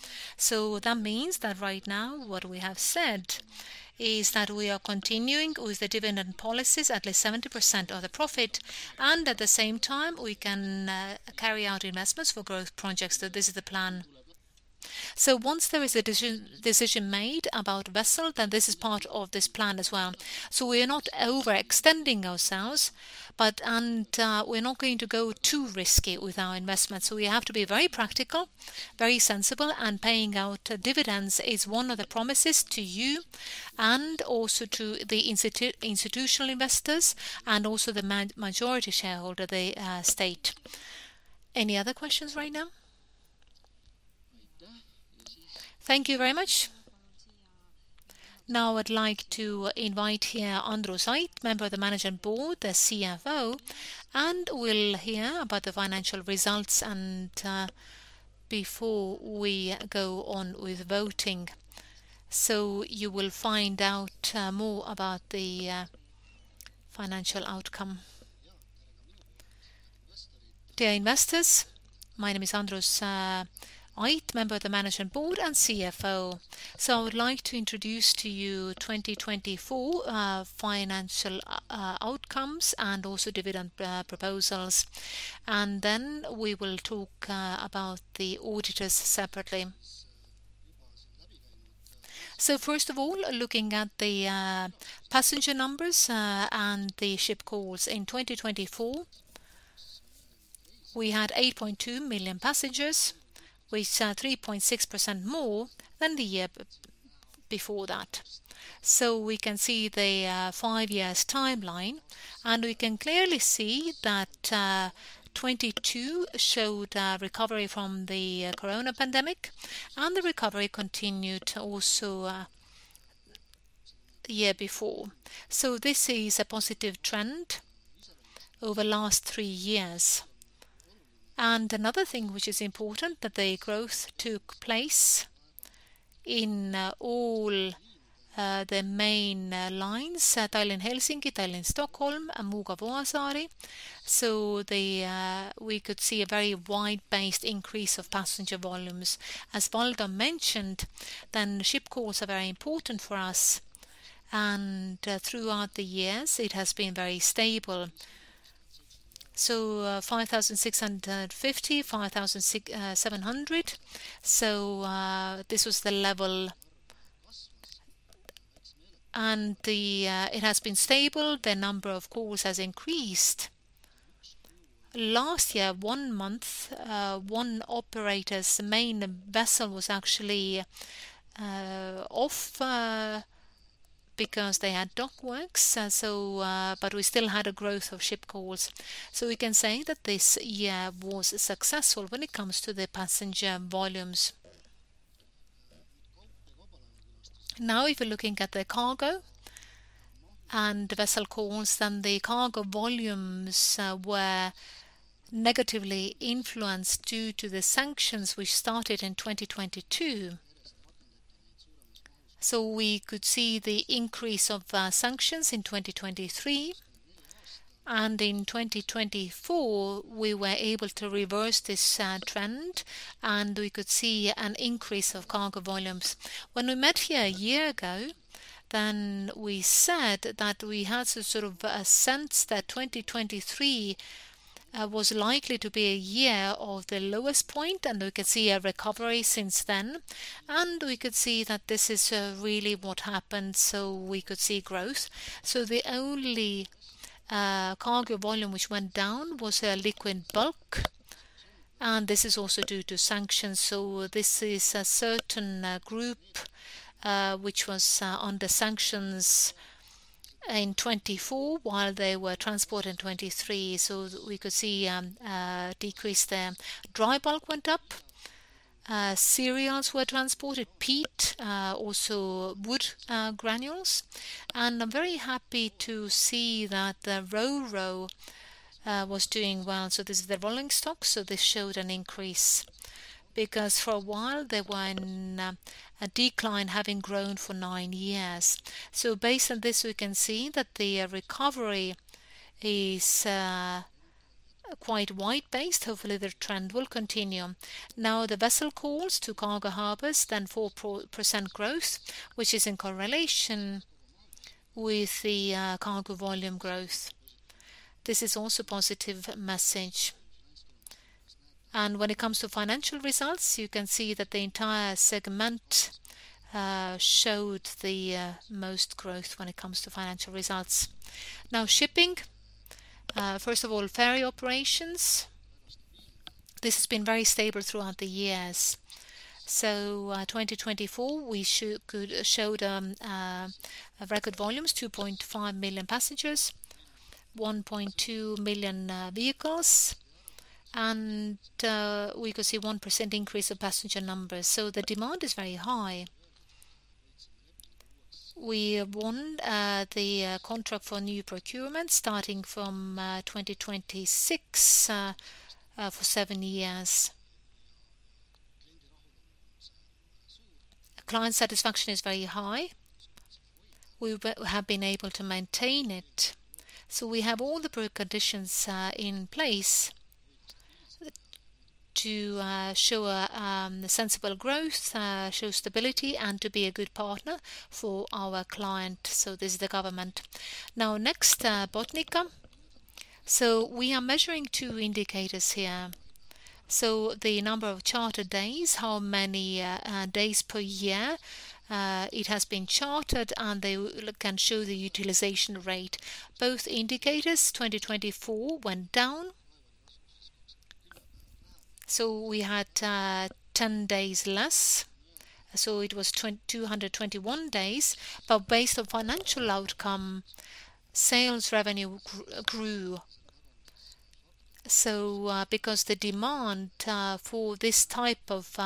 That means that right now, what we have said is that we are continuing with the dividend policies, at least 70% of the profit, and at the same time, we can carry out investments for growth projects. That this is the plan. Once there is a decision made about vessel, then this is part of this plan as well. We are not overextending ourselves, but we're not going to go too risky with our investments. We have to be very practical, very sensible, and paying out dividends is one of the promises to you and also to the institutional investors and also the majority shareholder, the state. Any other questions right now? Thank you very much. I'd like to invite here Andrus Ait, Member of the Management Board, the Chief Financial Officer, and we'll hear about the financial results before we go on with voting. You will find out more about the financial outcome. Dear investors, my name is Andrus Ait, Member of the Management Board and Chief Financial Officer. I would like to introduce to you 2024 financial outcomes and also dividend proposals. We will talk about the auditors separately. First of all, looking at the passenger numbers and the ship calls in 2024, we had 8.2 million passengers, which are 3.6% more than the year before that. We can see the five years timeline, and we can clearly see that 2022 showed a recovery from the coronavirus pandemic, and the recovery continued also the year before. This is a positive trend over last three years. Another thing which is important that the growth took place in all the main lines, Tallinn-Helsinki, Tallinn-Stockholm, and Muuga-Vuosaari. The we could see a very wide-based increase of passenger volumes. As Valdo Kalm mentioned, then ship calls are very important for us. And throughout the years, it has been very stable. 5,650, 700. This was the level, and the it has been stable. The number of calls has increased. Last year, one month, one operator's main vessel was actually off because they had dock works, so, but we still had a growth of ship calls. We can say that this year was successful when it comes to the passenger volumes. Now, if you're looking at the cargo and the vessel calls, then the cargo volumes were negatively influenced due to the sanctions which started in 2022. We could see the increase of sanctions in 2023, and in 2024, we were able to reverse this trend, and we could see an increase of cargo volumes. When we met here a year ago, then we said that we had a sort of a sense that 2023 was likely to be a year of the lowest point, and we could see a recovery since then. We could see that this is really what happened. We could see growth. The only cargo volume which went down was liquid bulk. This is also due to sanctions. This is a certain group which was under sanctions in 2024 while they were transporting 2023. We could see a decrease there. Dry bulk went up, cereals were transported, peat, also wood granules. I'm very happy to see that the RoRo was doing well. This is the rolling stock, this showed an increase because for a while they were in a decline having grown for nine years. Based on this, we can see that the recovery is quite wide-based. Hopefully, the trend will continue. The vessel calls to cargo harbors, 4.4% growth, which is in correlation with the cargo volume growth. This is also positive message. When it comes to financial results, you can see that the entire segment showed the most growth when it comes to financial results. Shipping, first of all, ferry operations, this has been very stable throughout the years. 2024, we showed record volumes, 2.5 million passengers, 1.2 million vehicles, and we could see 1% increase of passenger numbers. The demand is very high. We won the contract for new procurement starting from 2026 for seven years. Client satisfaction is very high. We have been able to maintain it. We have all the preconditions in place to show a sensible growth, show stability, and to be a good partner for our client, this is the government. Next, Botnica. We are measuring two indicators here. The number of chartered days, how many days per year it has been chartered, and they can show the utilization rate. Both indicators, 2024 went down. We had 10 days less, it was 221 days. Based on financial outcome, sales revenue grew. Because the demand for this type of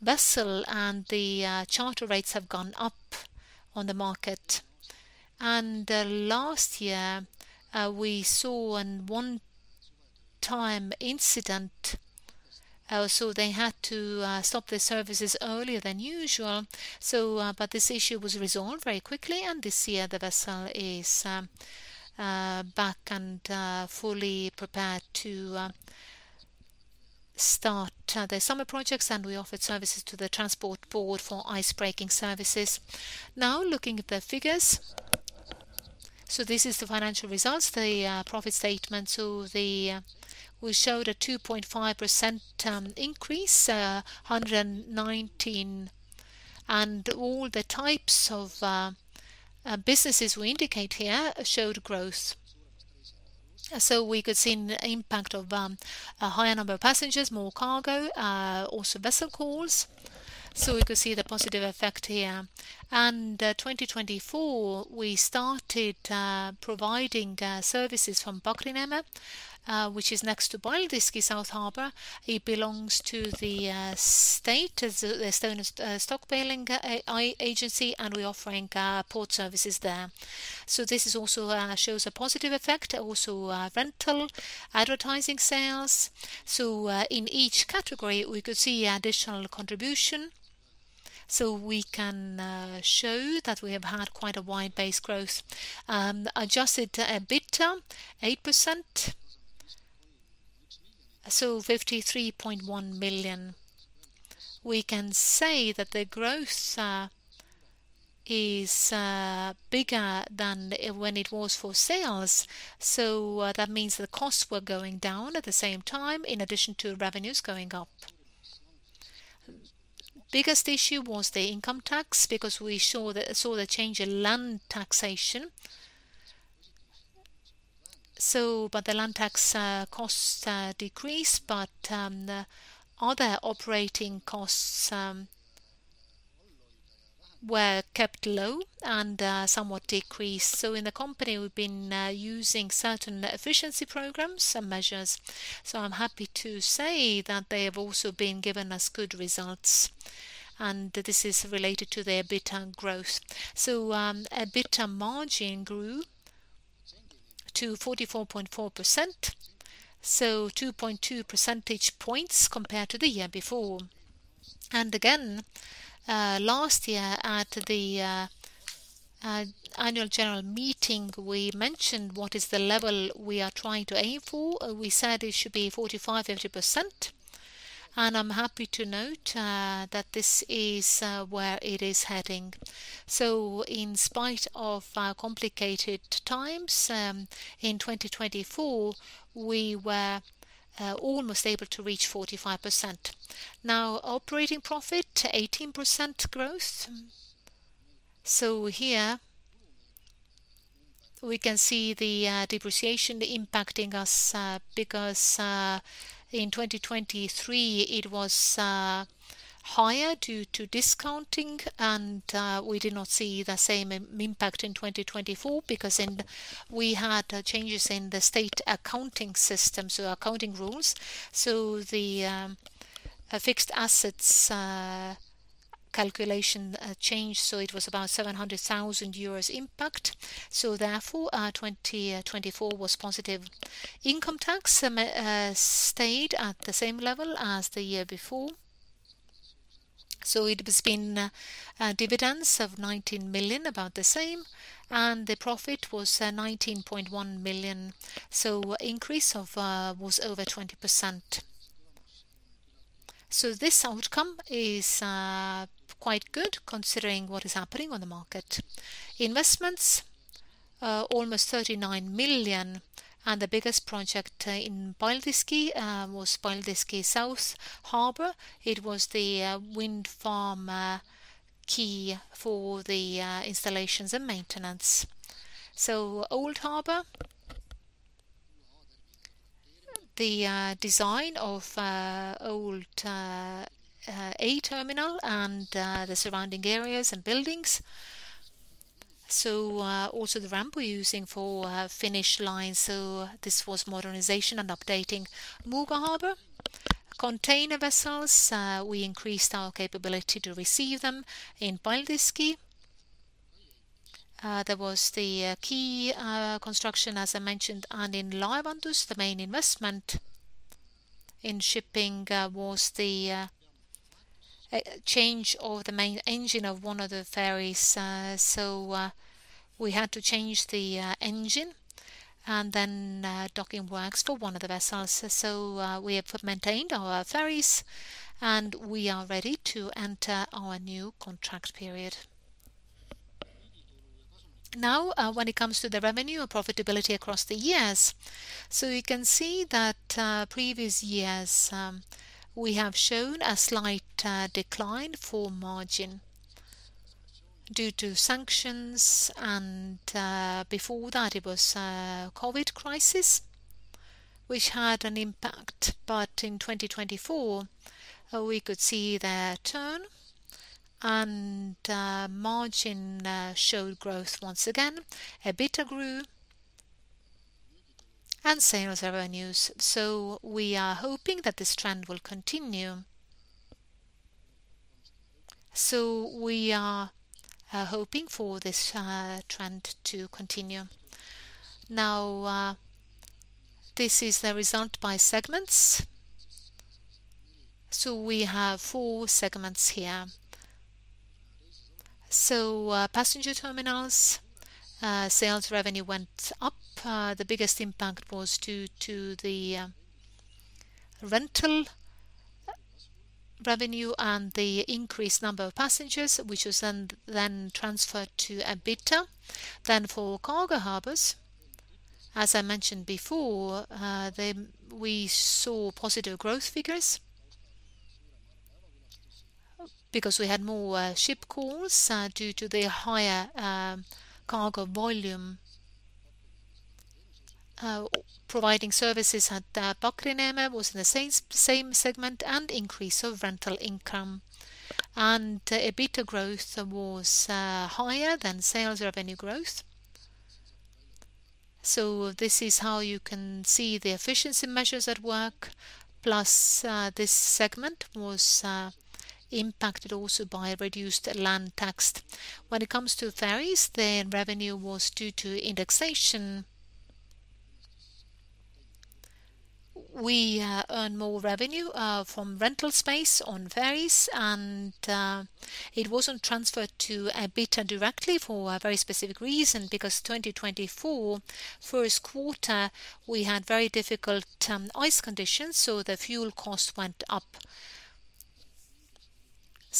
vessel and the charter rates have gone up on the market. Last year, we saw a 1-time incident, they had to stop the services earlier than usual. This issue was resolved very quickly, and this year the vessel is back and fully prepared to start the summer projects, and we offered services to the Transport Board for icebreaking services. Looking at the figures. This is the financial results, the profit statement. We showed a 2.5% increase, 119, and all the types of businesses we indicate here showed growth. We could see an impact of a higher number of passengers, more cargo, also vessel calls. We could see the positive effect here. 2024, we started providing services from Pakrineeme, which is next to Paldiski South Harbour. It belongs to the state, the Estonian Stockpiling Agency, and we're offering port services there. This is also shows a positive effect, also, rental, advertising sales. In each category, we could see additional contribution. We can show that we have had quite a wide-based growth. Adjusted EBITDA, 8%. 53.1 million. We can say that the growth is bigger than when it was for sales. That means the costs were going down at the same time, in addition to revenues going up. Biggest issue was the income tax, because we saw the change in land taxation. The land tax costs decreased, but other operating costs were kept low and somewhat decreased. In the company, we've been using certain efficiency programs and measures. I'm happy to say that they have also been given us good results, and this is related to the EBITDA growth. EBITDA margin grew to 44.4%, 2.2 percentage points compared to the year before. Again, last year at the annual general meeting, we mentioned what is the level we are trying to aim for. We said it should be 45%, 50%. I'm happy to note that this is where it is heading. In spite of complicated times, in 2024, we were almost able to reach 45%. Now, operating profit, 18% growth. Here we can see the depreciation impacting us because in 2023 it was higher due to discounting, and we did not see the same impact in 2024 because we had changes in the state accounting system, so accounting rules. The fixed assets calculation changed, so it was about 700,000 euros impact. Therefore, 2024 was positive. Income tax stayed at the same level as the year before. It has been dividends of 19 million, about the same, and the profit was 19.1 million. Increase was over 20%. This outcome is quite good considering what is happening on the market. Investments almost 39 million, and the biggest project in Paldiski was Paldiski South Harbour. It was the wind farm quay for the installations and maintenance. Old Harbor, the design of old A terminal and the surrounding areas and buildings. Also the ramp we're using for Finnish line, this was modernization and updating Muuga Harbour. Container vessels, we increased our capability to receive them in Paldiski. There was the quay construction, as I mentioned, and in Laevandus, the main investment in shipping, was the change of the main engine of one of the ferries. We had to change the engine and then docking works for one of the vessels. We have maintained our ferries, and we are ready to enter our new contract period. When it comes to the revenue and profitability across the years, you can see that previous years, we have shown a slight decline for margin due to sanctions and before that it was COVID crisis, which had an impact. In 2024, we could see the turn and margin showed growth once again. EBITDA grew and sales revenues. We are hoping that this trend will continue. We are hoping for this trend to continue. This is the result by segments. We have four segments here. Passenger terminals, sales revenue went up. The biggest impact was due to the rental revenue and the increased number of passengers, which was then transferred to EBITDA. For cargo harbors, as I mentioned before, we saw positive growth figures because we had more ship calls due to the higher cargo volume. Providing services at Pakri Neem was in the same segment and increase of rental income. EBITDA growth was higher than sales revenue growth. This is how you can see the efficiency measures at work, plus, this segment was impacted also by reduced land tax. When it comes to ferries, the revenue was due to indexation. We earned more revenue from rental space on ferries and it wasn't transferred to EBITDA directly for a very specific reason, because 2024 first quarter, we had very difficult ice conditions, so the fuel cost went up.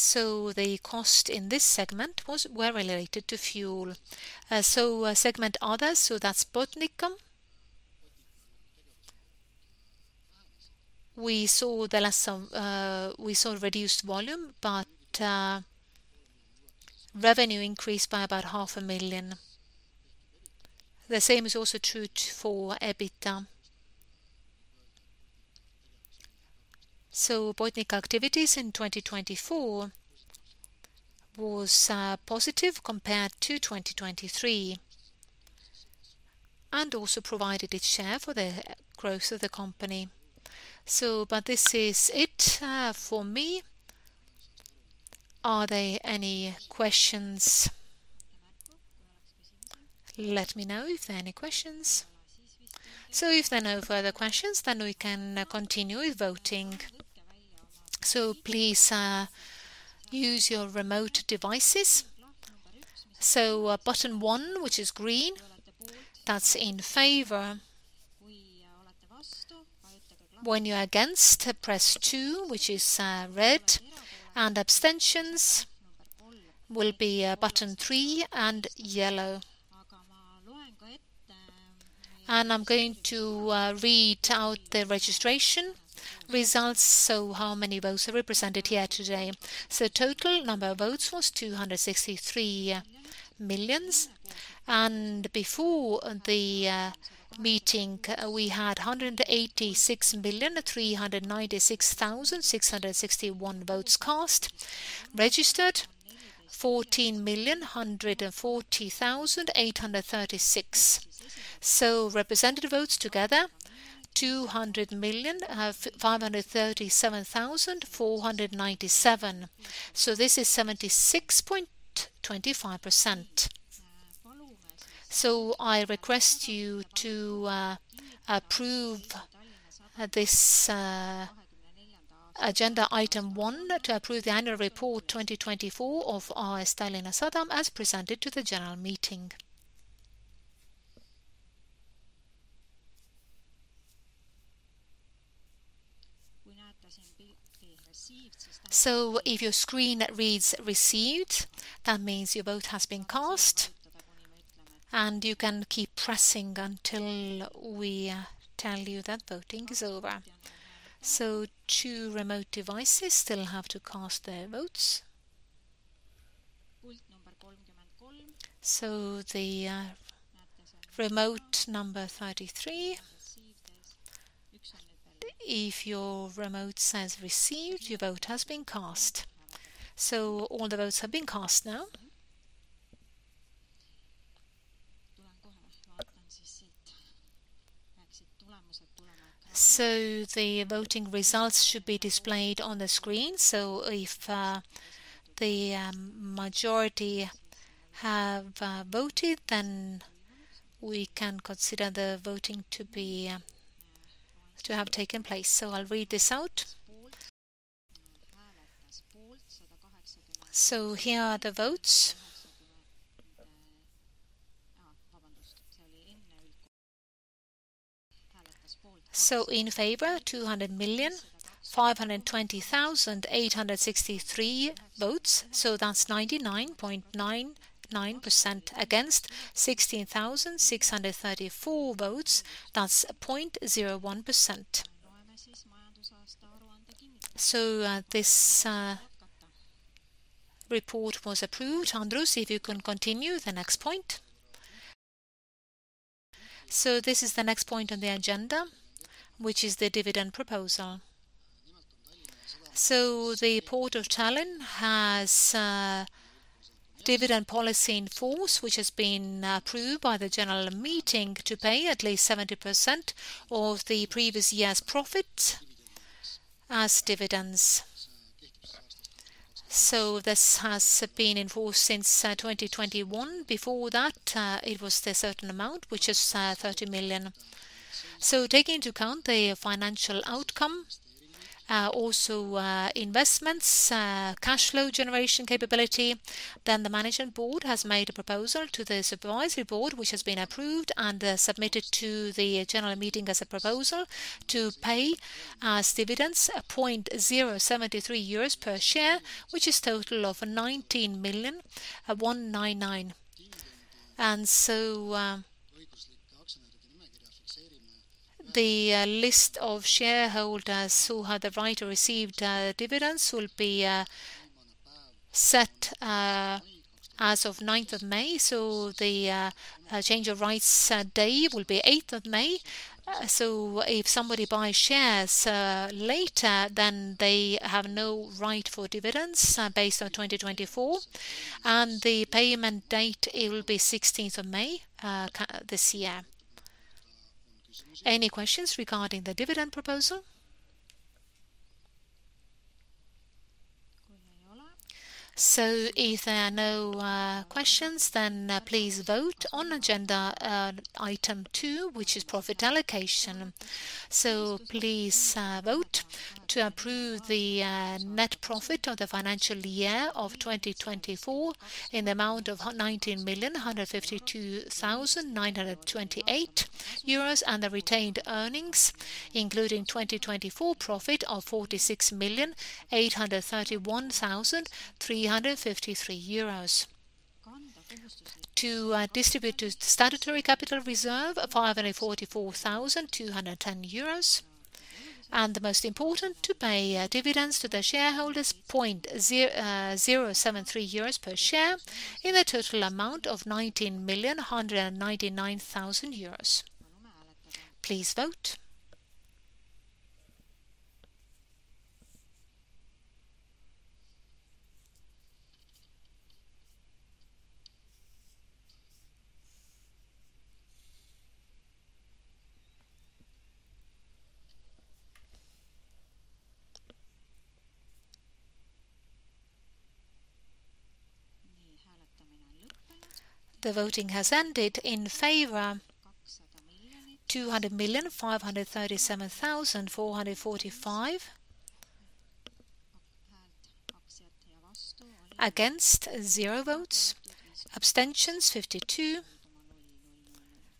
The cost in this segment were related to fuel. Segment others, that's Botnica. We saw the last, we saw reduced volume, but revenue increased by about EUR half a million. The same is also true for EBITDA. Botnica activities in 2024 was positive compared to 2023 and also provided its share for the growth of the company. But this is it for me. Are there any questions? Let me know if there are any questions. If there are no further questions, then we can continue with voting. Please use your remote devices. Button one, which is green, that's in favor. When you're against, press two, which is red, and abstentions will be button three and yellow. I'm going to read out the registration results. How many votes are represented here today? Total number of votes was 263 million. Before the meeting, we had 186,396,661 votes cast. Registered, 14,140,836. Representative votes together, 200,537,497. This is 76.25%. I request you to approve this agenda item one to approve the annual report 2024 of AS Tallinna Sadam as presented to the general meeting. If your screen reads received, that means your vote has been cast, and you can keep pressing until we tell you that voting is over. Two remote devices still have to cast their votes. The remote number 33. If your remote says received, your vote has been cast. All the votes have been cast now. The voting results should be displayed on the screen. If the majority have voted, then we can consider the voting to be to have taken place. I'll read this out. Here are the votes. In favor, 200,520,863 votes, 99.99% against 16,634 votes. That's 0.01%. This report was approved. Andrus, if you can continue the next point. This is the next point on the agenda, which is the dividend proposal. The Port of Tallinn has a dividend policy in force, which has been approved by the general meeting to pay at least 70% of the previous year's profit as dividends. This has been in force since 2021. Before that, it was the certain amount, which is 30 million. Taking into account the financial outcome, also investments, cash flow generation capability, then the management board has made a proposal to the supervisory board, which has been approved and submitted to the general meeting as a proposal to pay as dividends 0.073 euros per share, which is total of 19 million 199. The list of shareholders who have the right to receive dividends will be set as of 9th of May. The change of rights day will be 8th of May. If somebody buys shares later, then they have no right for dividends based on 2024. The payment date, it will be 16th of May, this year. Any questions regarding the dividend proposal? If there are no questions, then please vote on agenda item two, which is profit allocation. Please vote to approve the net profit of the financial year of 2024 in the amount of 19,152,928 euros and the retained earnings, including 2024 profit of 46,831,353 euros. To distribute to statutory capital reserve 544,210 euros. The most important, to pay dividends to the shareholders 0.073 euros per share in the total amount of 19,199,000 euros. Please vote. The voting has ended. In favor, 200,537,445. Against, 0 votes. Abstentions, 52.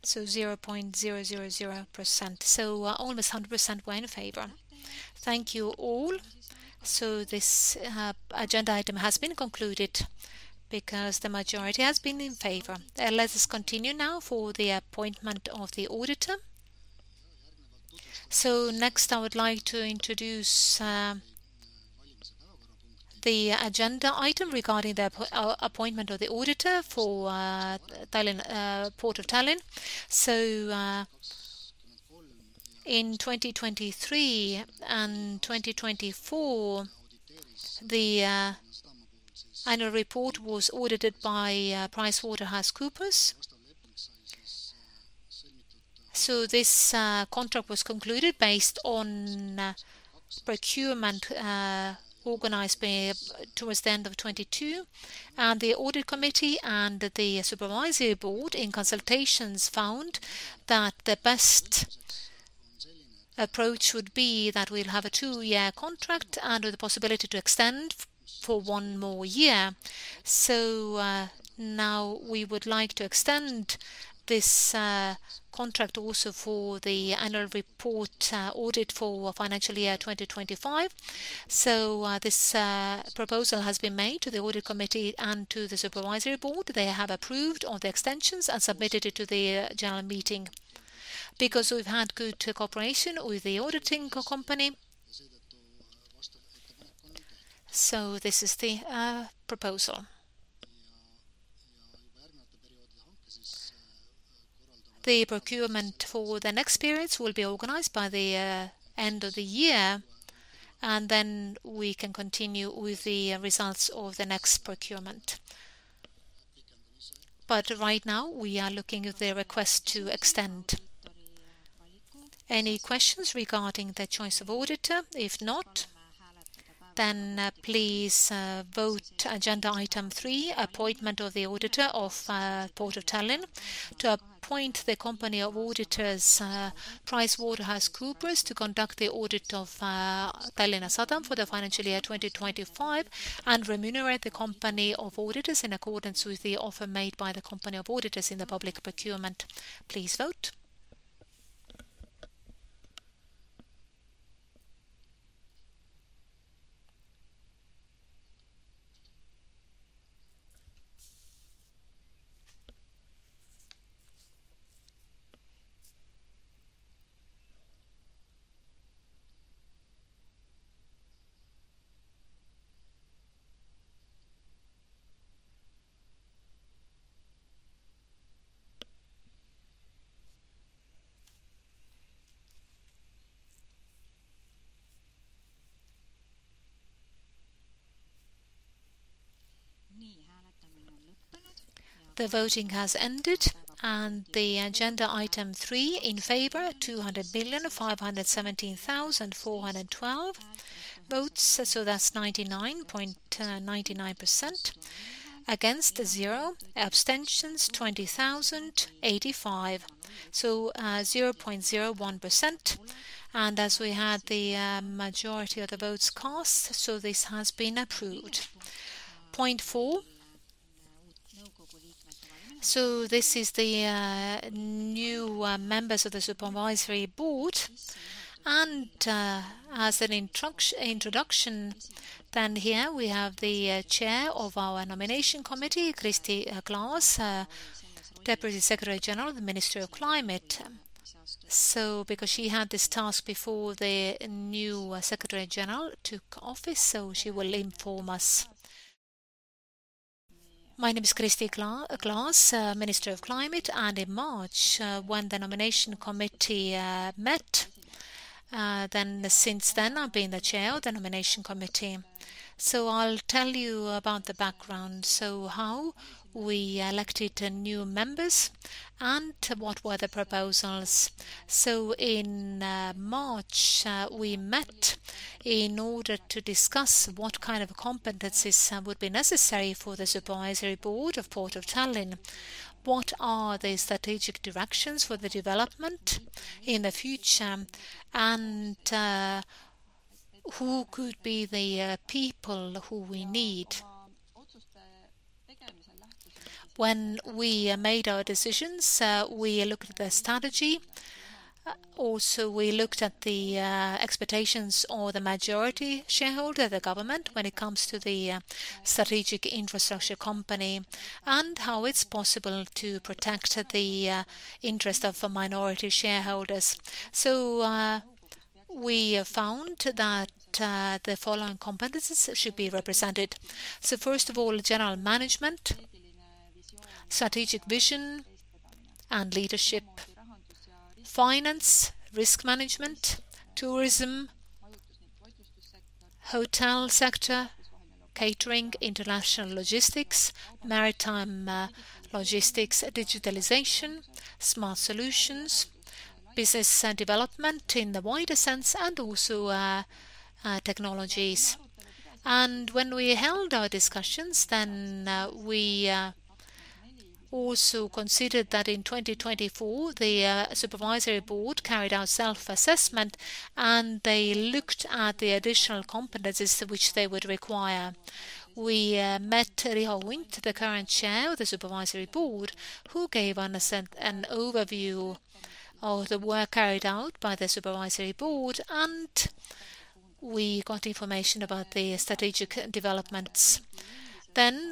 Zero point zero zero zero percent. Almost 100 were in favor. Thank you all. This agenda item has been concluded because the majority has been in favor. Let us continue now for the appointment of the auditor. Next, I would like to introduce the agenda item regarding the appointment of the auditor for Tallinn Port of Tallinn. In 2023 and 2024, the annual report was audited by PricewaterhouseCoopers. This contract was concluded based on procurement organized by towards the end of 2022. The audit committee and the supervisory board in consultations found that the best approach would be that we'll have a two year contract under the possibility to extend for one more year. Now we would like to extend this contract also for the annual report audit for financial year 2025. This proposal has been made to the audit committee and to the supervisory board. They have approved all the extensions and submitted it to the general meeting. Because we've had good cooperation with the auditing company. This is the proposal. The procurement for the next periods will be organized by the end of the year, and then we can continue with the results of the next procurement. Right now, we are looking at the request to extend. Any questions regarding the choice of auditor? Please vote agenda item three, appointment of the auditor of Port of Tallinn to appoint the company of auditors, PricewaterhouseCoopers, to conduct the audit of Tallinna Sadam for the financial year 2025 and remunerate the company of auditors in accordance with the offer made by the company of auditors in the public procurement. Please vote. The voting has ended, the agenda item three in favor, 200,517,412 votes. That's 99.99%. Against, zero. Abstentions, 20,085. 0.01%. As we had the majority of the votes cast, this has been approved. Point four. This is the new members of the supervisory board. As an introduction, here we have the Chair of our nomination committee, Kristi Klaas, Deputy Secretary-General of the Ministry of Climate. Because she had this task before the new secretary-general took office, she will inform us. My name is Kristi Klaas, Ministry of Climate. In March, when the nomination committee met, since then I've been the Chair of the nomination committee. I'll tell you about the background. How we elected new members and what were the proposals. In March, we met in order to discuss what kind of competencies would be necessary for the supervisory board of Port of Tallinn. What are the strategic directions for the development in the future? When we made our decisions, we looked at the strategy. Also, we looked at the expectations or the majority shareholder, the government, when it comes to the strategic infrastructure company and how it's possible to protect the interest of the minority shareholders. We found that the following competencies should be represented. First of all, general management, strategic vision and leadership, finance, risk management, tourism, hotel sector, catering, international logistics, maritime logistics, digitalization, smart solutions, business and development in the wider sense, and also technologies. When we held our discussions, we also considered that in 2024 the supervisory board carried out self-assessment, and they looked at the additional competencies which they would require. We met Riho Unt, the current Chair of the Supervisory Board, who gave us an overview of the work carried out by the Supervisory Board, we got information about the strategic developments.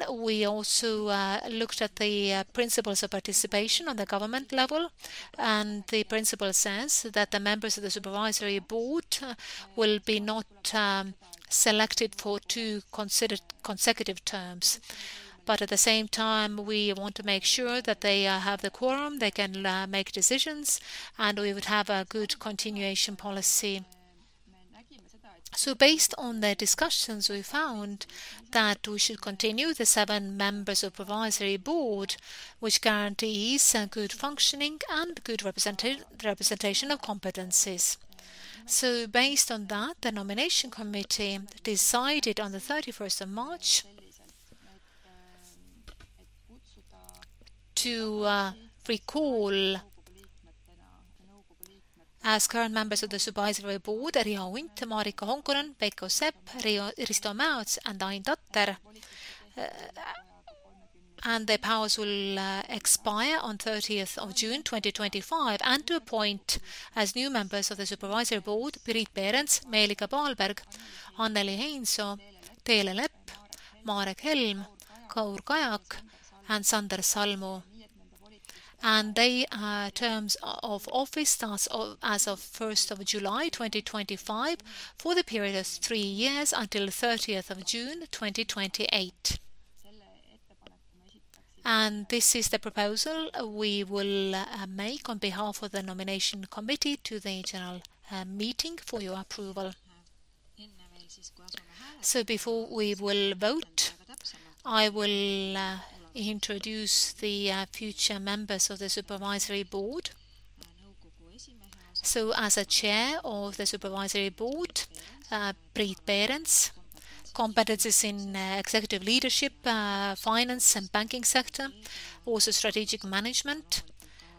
We also looked at the principles of participation on the government level, the principle says that the members of the Supervisory Board will be not selected for two considered consecutive terms. At the same time, we want to make sure that they have the quorum, they can make decisions, we would have a good continuation policy. Based on the discussions, we found that we should continue the 7 members Supervisory Board, which guarantees a good functioning and good representation of competencies. Based on that, the nomination committee decided on the 31st of March to recall as current members of the supervisory board Riho Unt, Maarika Honkonen, Veiko Sepp, Risto Mäeots, and Ain Tatter. Their powers will expire on 30th of June 2025, and to appoint as new members of the supervisory board, Priit Perens, Meelike Paalberg, Anneli Heinsoo, Teele Lepp, Marek Helm, Kaur Kajak, and Sander Salmu. Their terms of office starts of, as of 1st of July 2025, for the period of three years until 30th of June 2028. This is the proposal we will make on behalf of the nomination committee to the general meeting for your approval. Before we will vote, I will introduce the future members of the supervisory board. As a Chairman of the Supervisory Board, Priit Perens, competencies in executive leadership, finance and banking sector, also strategic management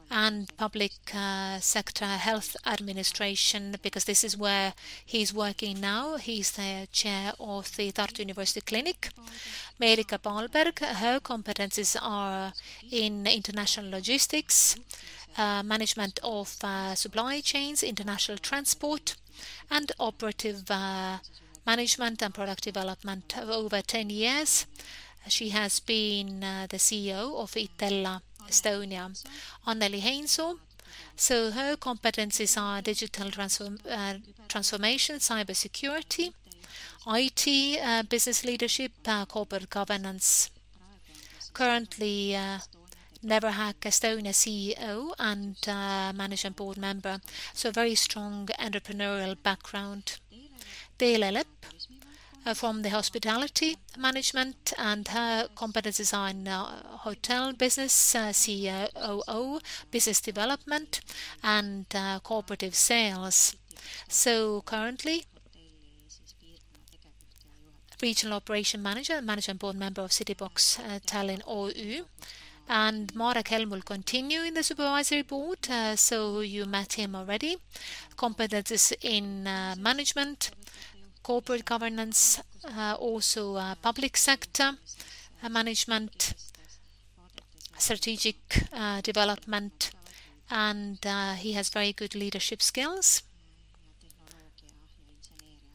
and public sector health administration, because this is where he's working now. He's the Chairman of the Tartu University Clinic. Meelike Paalberg, her competencies are in international logistics, management of supply chains, international transport and operative management and product development of over 10 years. She has been the CEO of Itella Estonia. Anneli Heinsoo, her competencies are digital transformation, cybersecurity, IT, business leadership, corporate governance. Currently, Neverhack Estonia CEO and management board member, very strong entrepreneurial background. Teele Lepp, from the hospitality management and her competencies are in hotel business, COO, business development, and cooperative sales. Currently, regional operation manager and management board member of Citybox Tallinn OÜ. Marek Helm will continue in the supervisory board, so you met him already. Competencies in management, corporate governance, also public sector management, strategic development, and he has very good leadership skills.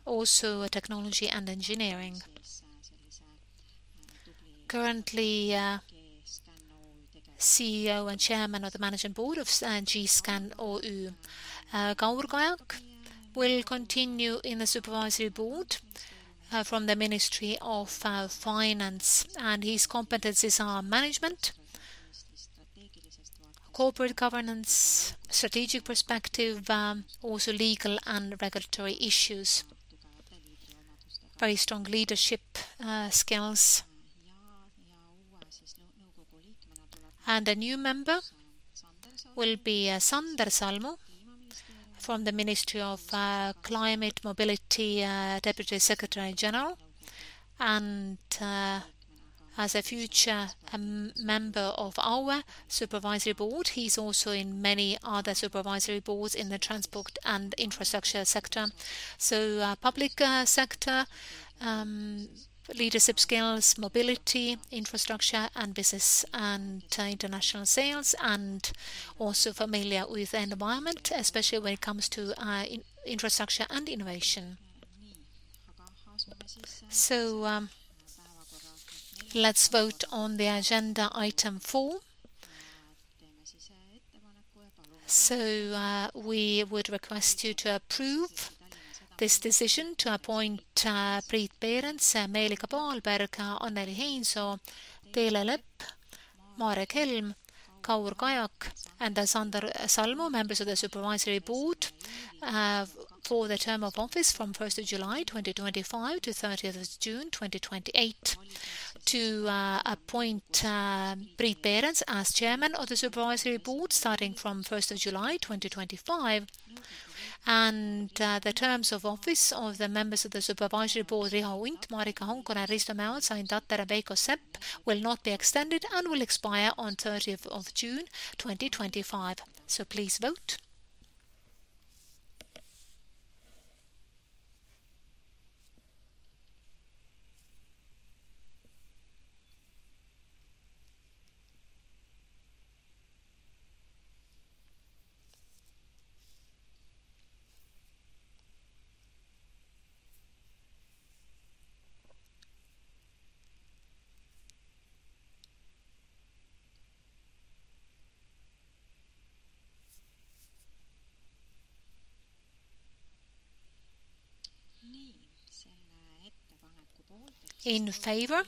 Also, technology and engineering. Currently, CEO and chairman of the management board of GScan OÜ. Kaur Kajak will continue in the supervisory board from the Ministry of Finance, and his competencies are management, corporate governance, strategic perspective, also legal and regulatory issues. Very strong leadership skills. A new member will be Sander Salmu from the Ministry of Climate Mobility, Deputy Secretary General. As a future member of our supervisory board, he's also in many other supervisory boards in the transport and infrastructure sector. Public sector leadership skills, mobility, infrastructure, and business, and international sales, and also familiar with environment, especially when it comes to infrastructure and innovation. We would request you to approve this decision to appoint Priit Perens, Meelike Paalberg, Anneli Heinsoo, Teele Lepp, Marek Helm, Kaur Kajak, and Sander Salmu, members of the Supervisory Board, for the term of office from 1st of July, 2025 to 30th of June, 2028. To appoint Priit Perens as Chairman of the Supervisory Board starting from 1st of July, 2025. The terms of office of the members of the Supervisory Board, Riho Unt, Maarika Honkonen, Risto Mäeots, Ain Tatter, and Veiko Sepp will not be extended and will expire on 30th of June, 2025. Please vote. In favor,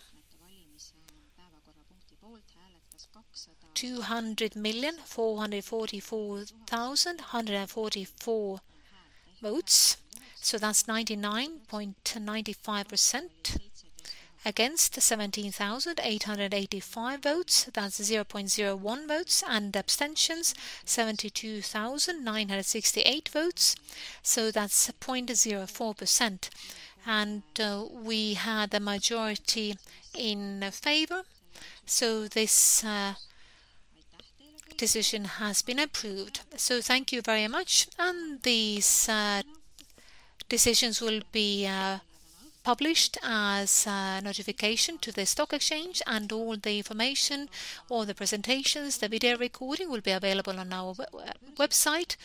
200,444,144 votes, so that's 99.95%. Against, 17,885 votes, that's 0.01 votes. Abstentions, 72,968 votes, so that's 0.04%. We had a majority in favor, so this decision has been approved. Thank you very much. These decisions will be published as notification to the stock exchange, and all the information, all the presentations, the video recording will be available on our website.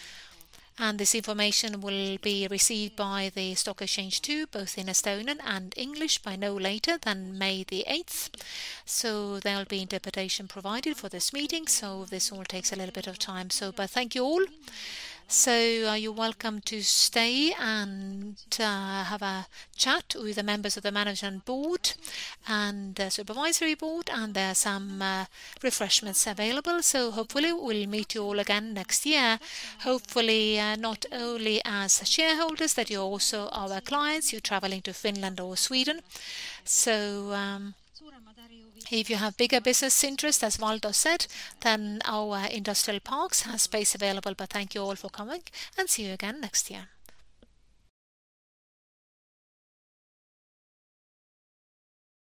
This information will be received by the stock exchange too, both in Estonian and English, by no later than May the 8th. There'll be interpretation provided for this meeting, so this all takes a little bit of time. But thank you all. You're welcome to stay and have a chat with the members of the management board and the supervisory board, and there are some refreshments available. Hopefully we'll meet you all again next year. Hopefully, not only as shareholders, that you're also our clients, you're traveling to Finland or Sweden. If you have bigger business interests, as Valdo said, then our Industrial Parks have space available. Thank you all for coming, and see you again next year.